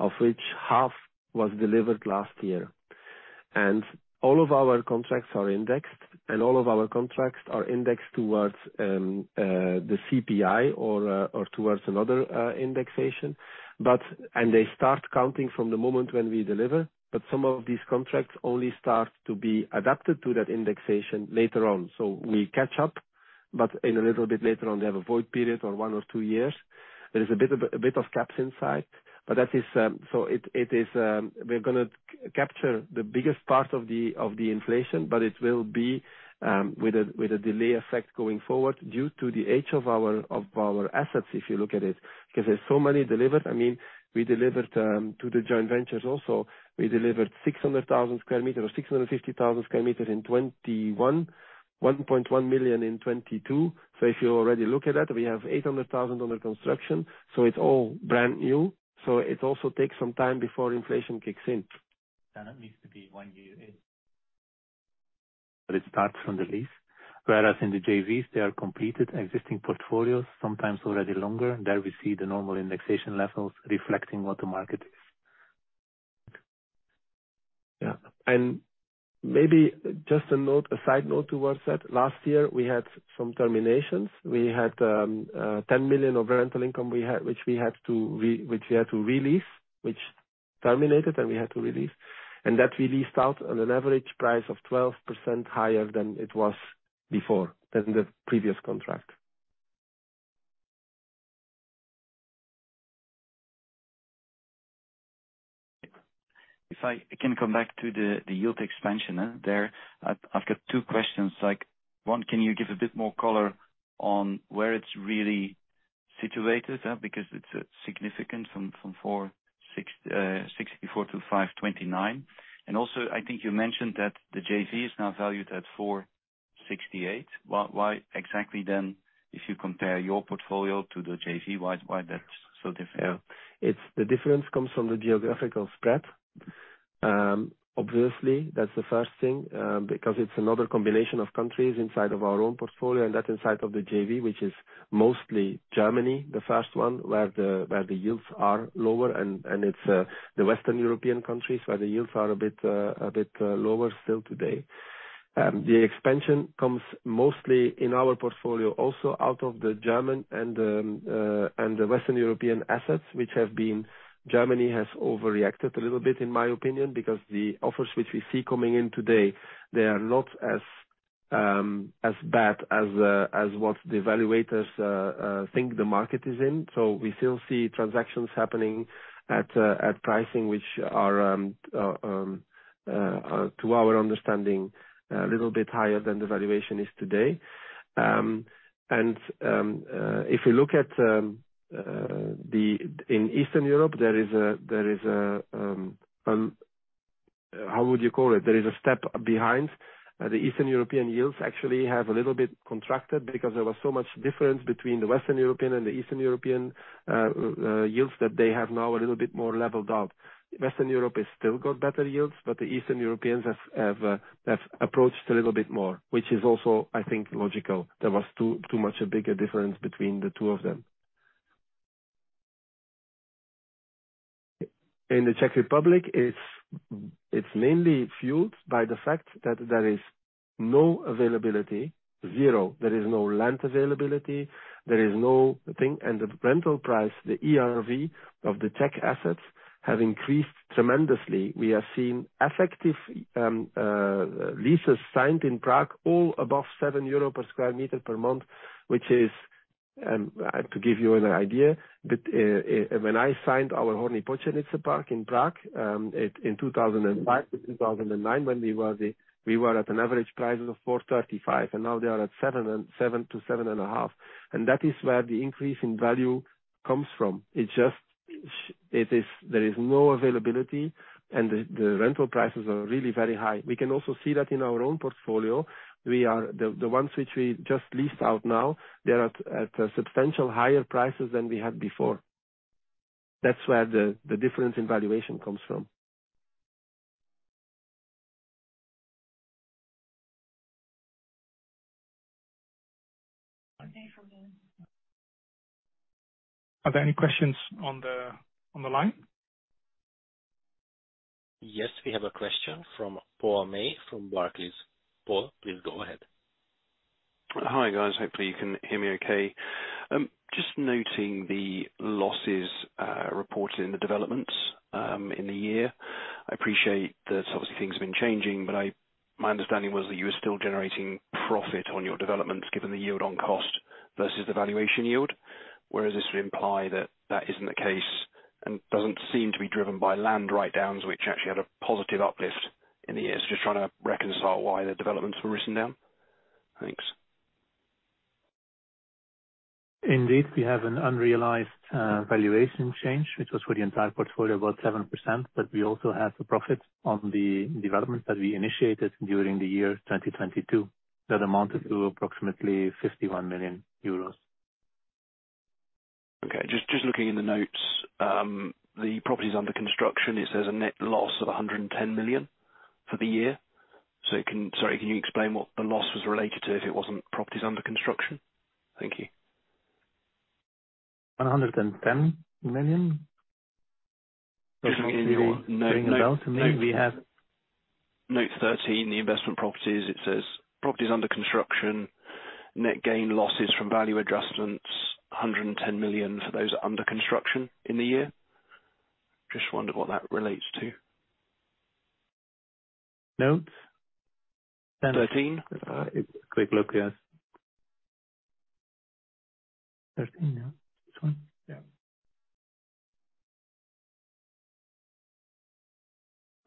Speaker 1: of which half was delivered last year. All of our contracts are indexed, and all of our contracts are indexed towards the CPI or towards another indexation. They start counting from the moment when we deliver, but some of these contracts only start to be adapted to that indexation later on. We catch up, but in a little bit later on, they have a void period or one or two years. There is a bit of caps inside, but that is. It is, we're gonna capture the biggest part of the inflation, but it will be with a delay effect going forward due to the age of our assets, if you look at it. 'Cause there's so many delivered. I mean, we delivered to the joint ventures also. We delivered 600,000 sq m or 650,000 sq m in 2021, 1.1 million in 2022. If you already look at that, we have 800,000 under construction, it's all brand new. It also takes some time before inflation kicks in.
Speaker 3: It needs to be one year in.
Speaker 1: It starts from the lease. Whereas in the JVs, they are completed existing portfolios, sometimes already longer. There we see the normal indexation levels reflecting what the market is. Yeah. Maybe just a note, a side note towards that. Last year we had some terminations. We had 10 million of rental income we had, which we had to re-lease, which terminated and we had to re-lease. That we leased out at an average price of 12% higher than it was before, than the previous contract.
Speaker 5: If I can come back to the yield expansion, there, I've got two questions. Like, one, can you give a bit more color on where it's really situated at? Because it's significant from 4.64%-5.29%. Also, I think you mentioned that the JV is now valued at 4.68%. Why exactly then, if you compare your portfolio to the JV, why that's so different?
Speaker 1: Yeah. The difference comes from the geographical spread. Obviously, that's the first thing, because it's another combination of countries inside of our own portfolio, and that inside of the JV, which is mostly Germany, the first one, where the yields are lower, and it's the Western European countries where the yields are a bit, a bit, lower still today. The expansion comes mostly in our portfolio, also out of the German and the Western European assets, which have been. Germany has overreacted a little bit, in my opinion, because the offers which we see coming in today, they are not as bad as what the evaluators think the market is in. We still see transactions happening at pricing which are to our understanding, a little bit higher than the valuation is today. If you look at Eastern Europe, there is a how would you call it? There is a step behind. The Eastern European yields actually have a little bit contracted because there was so much difference between the Western European and the Eastern European yields that they have now a little bit more leveled out. Western Europe has still got better yields, the Eastern Europeans have approached a little bit more, which is also, I think, logical. There was too much a bigger difference between the two of them. In the Czech Republic, It's mainly fueled by the fact that there is no availability, zero. There is no land availability, there is no thing. The rental price, the ERV of the tech assets have increased tremendously. We have seen effective leases signed in Prague all above 7 euro per sq m per month, which is to give you an idea, that when I signed our Horní Počernice park in Prague, in 2005 to 2009 when we were at an average price of 4.35. Now they are at 7-7.50. That is where the increase in value comes from. It's just there is no availability and the rental prices are really very high. We can also see that in our own portfolio. We are the ones which we just leased out now, they're at a substantial higher prices than we had before. That's where the difference in valuation comes from. Are there any questions on the line?
Speaker 6: Yes, we have a question from Paul May from Barclays. Paul, please go ahead.
Speaker 7: Hi, guys. Hopefully you can hear me okay. Just noting the losses reported in the developments in the year. I appreciate that obviously things have been changing. My understanding was that you were still generating profit on your developments given the yield on cost versus the valuation yield. This would imply that that isn't the case and doesn't seem to be driven by land write-downs, which actually had a positive uplift in the year. Just trying to reconcile why the developments were written down. Thanks.
Speaker 1: Indeed, we have an unrealized valuation change, which was for the entire portfolio, about 7%, but we also have the profit on the development that we initiated during the year 2022. That amounted to approximately 51 million euros.
Speaker 7: Okay. Just looking in the notes, the properties under construction, it says a net loss of 110 million for the year. Sorry, can you explain what the loss was related to if it wasn't properties under construction? Thank you.
Speaker 1: EUR 110 million?
Speaker 7: Note.
Speaker 1: We have-
Speaker 7: Note 13, the investment properties, it says, "Properties under construction. Net gain losses from value adjustments, 110 million for those under construction in the year." Just wondered what that relates to.
Speaker 1: Notes.
Speaker 7: 13.
Speaker 1: A quick look, yes. 13, yeah. This one.
Speaker 6: Yeah.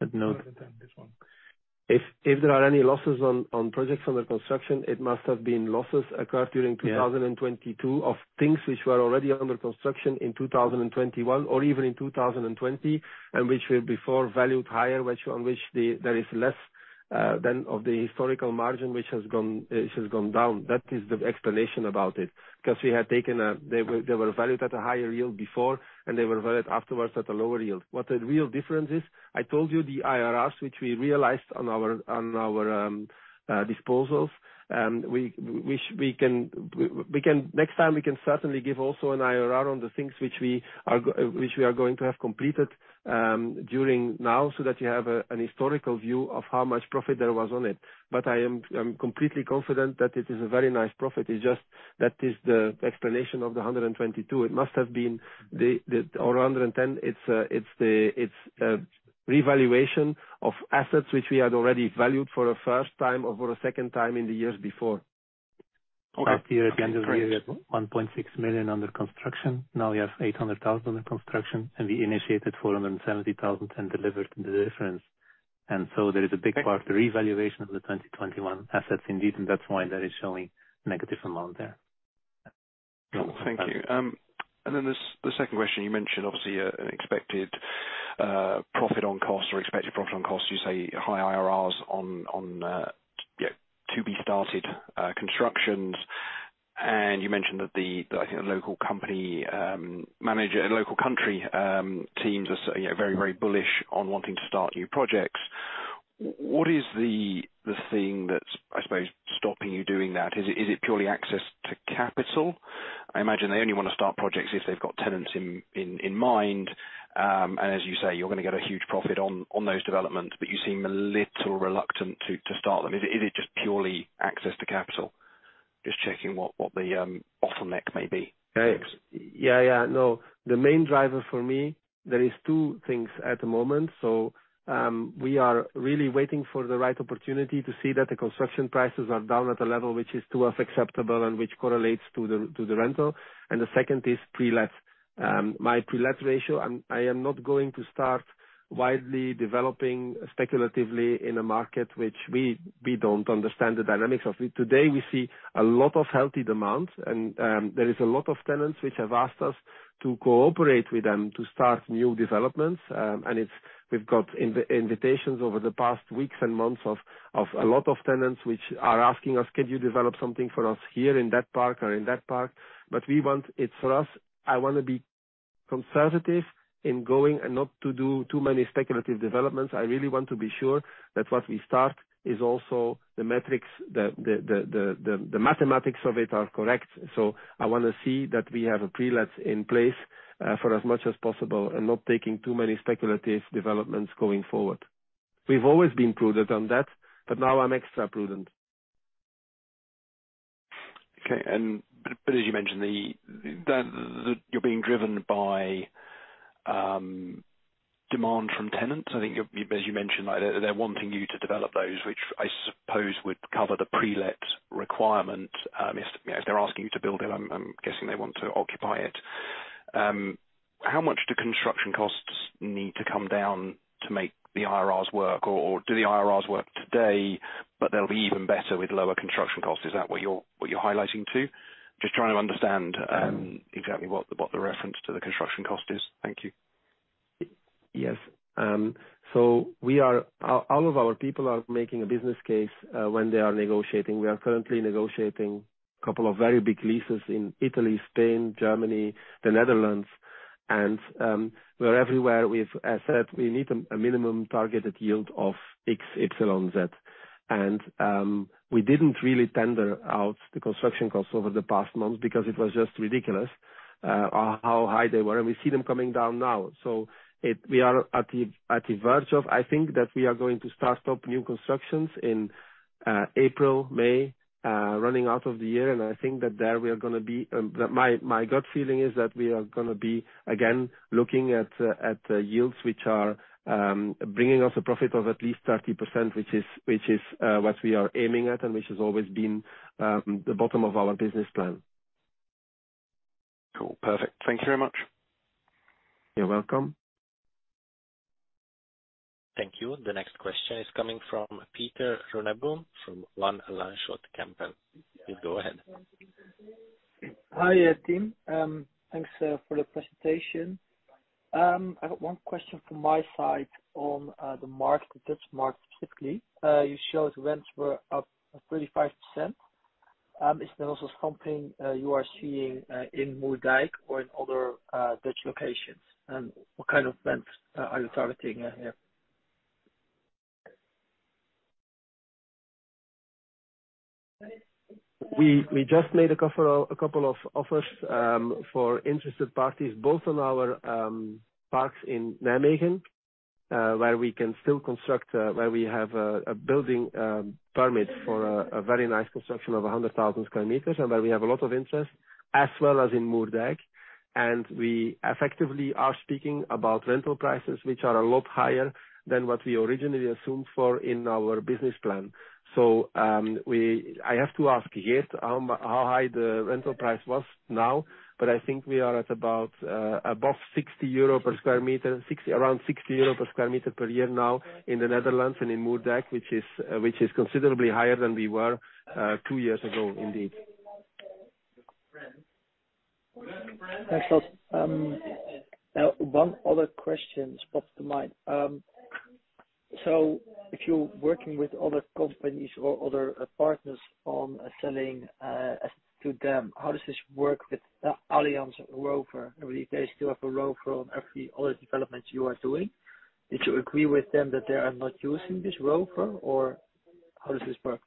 Speaker 1: But note-
Speaker 6: This one.
Speaker 1: If there are any losses on projects under construction, it must have been losses occurred during 2022 of things which were already under construction in 2021 or even in 2020, and which were before valued higher, which on which there is less than of the historical margin which has gone down. That is the explanation about it. Because we had taken a. They were valued at a higher yield before, and they were valued afterwards at a lower yield. What the real difference is, I told you the IRRs, which we realized on our disposals, we can... Next time, we can certainly give also an IRR on the things which we are going to have completed during now, so that you have a, an historical view of how much profit there was on it. I am, I'm completely confident that it is a very nice profit. It's just that is the explanation of the 122. It must have been the or a 110. It's the, it's a revaluation of assets which we had already valued for a first time or for a second time in the years before.
Speaker 7: Okay.
Speaker 1: Last year, at the end of the year, we had 1.6 million under construction. Now we have 800,000 under construction, and we initiated 470,000 and delivered the difference. There is a big part, the revaluation of the 2021 assets indeed, and that's why that is showing negative amount there.
Speaker 7: Cool. Thank you. The second question, you mentioned obviously an expected profit on cost. You say high IRRs on to-be-started constructions. You mentioned that the, I think, the local company manager, local country teams are you know, very bullish on wanting to start new projects. What is the thing that's, I suppose, stopping you doing that? Is it purely access to capital? I imagine they only wanna start projects if they've got tenants in mind. As you say, you're gonna get a huge profit on those developments, but you seem a little reluctant to start them. Is it just purely access to capital? Just checking what the bottleneck may be.
Speaker 1: Yeah, yeah. No. The main driver for me, there is two things at the moment. We are really waiting for the right opportunity to see that the construction prices are down at a level which is to us acceptable and which correlates to the, to the rental. The second is pre-let. My pre-let ratio, I am not going to start widely developing speculatively in a market which we don't understand the dynamics of it. Today, we see a lot of healthy demand and there is a lot of tenants which have asked us to cooperate with them to start new developments. And we've got invitations over the past weeks and months of a lot of tenants which are asking us, "Can you develop something for us here in that park or in that park?" We want... It's for us, I wanna be conservative in going and not to do too many speculative developments. I really want to be sure that what we start is also the metrics, the mathematics of it are correct. I wanna see that we have a pre-let in place for as much as possible and not taking too many speculative developments going forward. We've always been prudent on that, but now I'm extra prudent.
Speaker 7: Okay. But as you mentioned, that you're being driven by demand from tenants. As you mentioned, like, they're wanting you to develop those, which I suppose would cover the pre-let requirement, as, you know, if they're asking you to build it, I'm guessing they want to occupy it. How much do construction costs need to come down to make the IRRs work or do the IRRs work today, but they'll be even better with lower construction costs? Is that what you're highlighting to? Just trying to understand exactly what the reference to the construction cost is. Thank you.
Speaker 1: Yes. We are. All of our people are making a business case, when they are negotiating. We are currently negotiating couple of very big leases in Italy, Spain, Germany, the Netherlands. We're everywhere. We've asset. We need a minimum targeted yield of X, epsilon, Z. We didn't really tender out the construction costs over the past month because it was just ridiculous on how high they were, and we see them coming down now. We are at the verge of. I think that we are going to start up new constructions in April, May, running out of the year. I think that there we are gonna be, my gut feeling is that we are gonna be again, looking at yields which are bringing us a profit of at least 30%, which is what we are aiming at, and which has always been the bottom of our business plan.
Speaker 7: Cool. Perfect. Thank you very much.
Speaker 1: You're welcome.
Speaker 6: Thank you. The next question is coming from Pieter Runia from Van Lanschot Kempen. Please go ahead.
Speaker 8: Hi, team. Thanks for the presentation. I've 1 question from my side on the market, the Dutch market specifically. You showed rents were up 35%. Is there also something you are seeing in Moerdijk or in other Dutch locations? What kind of rents are you targeting out here?
Speaker 1: We just made a couple of offers for interested parties both on our parks in Nijmegen, where we can still construct, where we have a building permit for a very nice construction of sq m and where we have a lot of interest, as well as in Moerdijk. We effectively are speaking about rental prices, which are a lot higher than what we originally assumed for in our business plan. I have to ask Geert how high the rental price was now, but I think we are at about above 60 euro per sq m, around 60 euro per sq m per year now in the Netherlands and in Moerdijk, which is considerably higher than we were two years ago indeed.
Speaker 8: Thanks a lot. One other question spots to mind. If you're working with other companies or other partners on selling to them, how does this work with Allianz ROFR? Do you guys still have a ROFR on every other developments you are doing? Did you agree with them that they are not using this ROFR or how does this work?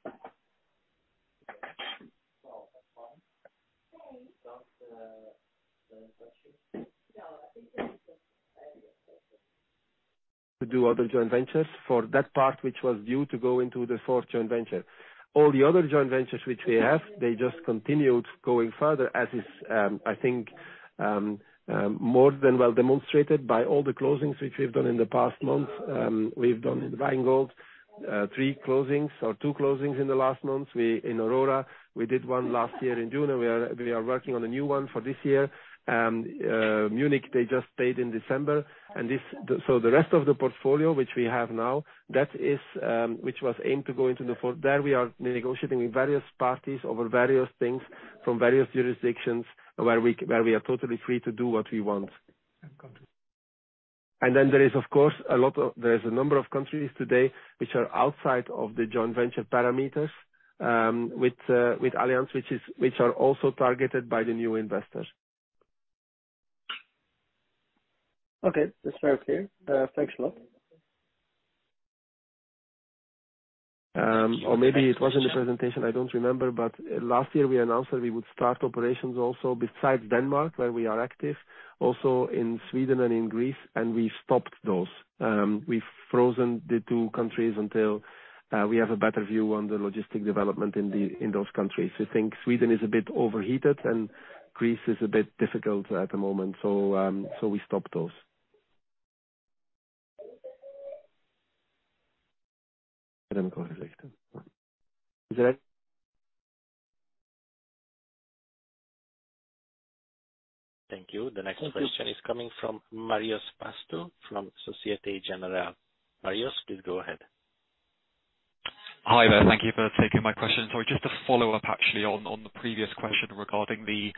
Speaker 1: To do other joint ventures for that part which was due to go into the fourth joint venture. All the other joint ventures which we have, they just continued going further as is, more than well demonstrated by all the closings which we've done in the past month. We've done in Rheingold, 3 closings or 2 closings in the last month. We, in Aurora, we did one last year in June, and we are working on a new one for this year. Munich, they just paid in December. The rest of the portfolio, which we have now, that is, which was aimed to go into the fourth, there we are negotiating with various parties over various things from various jurisdictions where we are totally free to do what we want.
Speaker 8: Got you.
Speaker 1: There is, of course, a number of countries today which are outside of the joint venture parameters, with Allianz, which are also targeted by the new investors.
Speaker 8: Okay. That's very clear. Thanks a lot.
Speaker 1: Or maybe it was in the presentation, I don't remember. Last year we announced that we would start operations also, besides Denmark, where we are active, also in Sweden and in Greece, and we stopped those. We've frozen the 2 countries until we have a better view on the logistic development in the, in those countries. We think Sweden is a bit overheated and Greece is a bit difficult at the moment. We stopped those. Let me go to the next slide. Is that it?
Speaker 6: Thank you.
Speaker 1: Thank you.
Speaker 6: The next question is coming from Marius Tudor-Pascal from Société Générale. Marius, please go ahead.
Speaker 9: Hi there. Thank you for taking my questions. Just to follow up actually on the previous question regarding the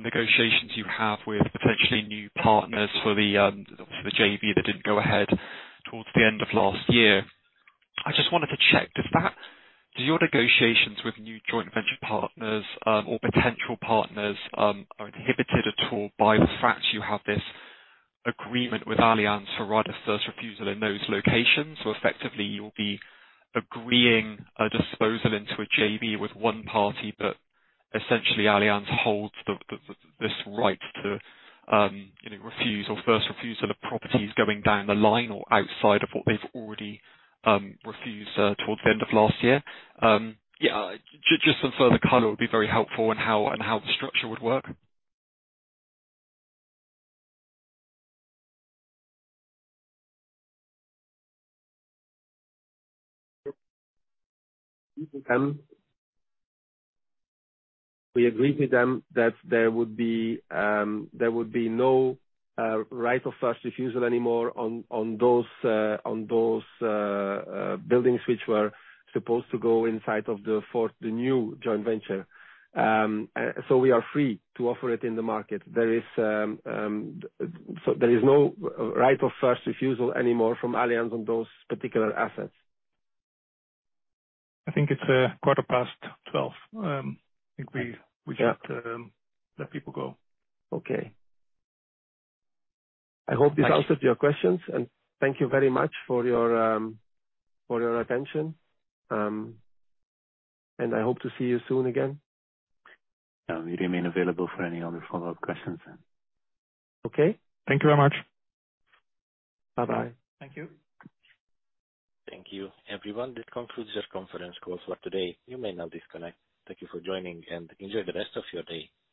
Speaker 9: negotiations you have with potentially new partners for the JV that didn't go ahead towards the end of last year. I just wanted to check, Do your negotiations with new joint venture partners or potential partners are inhibited at all by the fact you have this agreement with Allianz to right a First Refusal in those locations? Effectively you'll be agreeing a disposal into a JV with one party, but essentially Allianz holds this right to, you know, refuse or First Refusal of properties going down the line or outside of what they've already refused towards the end of last year? Yeah, just some further color would be very helpful in how, and how the structure would work.
Speaker 1: We agreed with them that there would be no right of first refusal anymore on those buildings which were supposed to go inside of the fourth, the new joint venture. We are free to offer it in the market. There is no right of first refusal anymore from Allianz on those particular assets. I think it's 12:15 P.M. I think we should let people go.
Speaker 6: Okay.
Speaker 1: I hope this answered your questions, and thank you very much for your, for your attention, and I hope to see you soon again.
Speaker 6: We remain available for any other follow-up questions then.
Speaker 1: Okay. Thank you very much. Bye-bye.
Speaker 6: Thank you. Thank you, everyone. This concludes your conference call for today. You may now disconnect. Thank you for joining, and enjoy the rest of your day.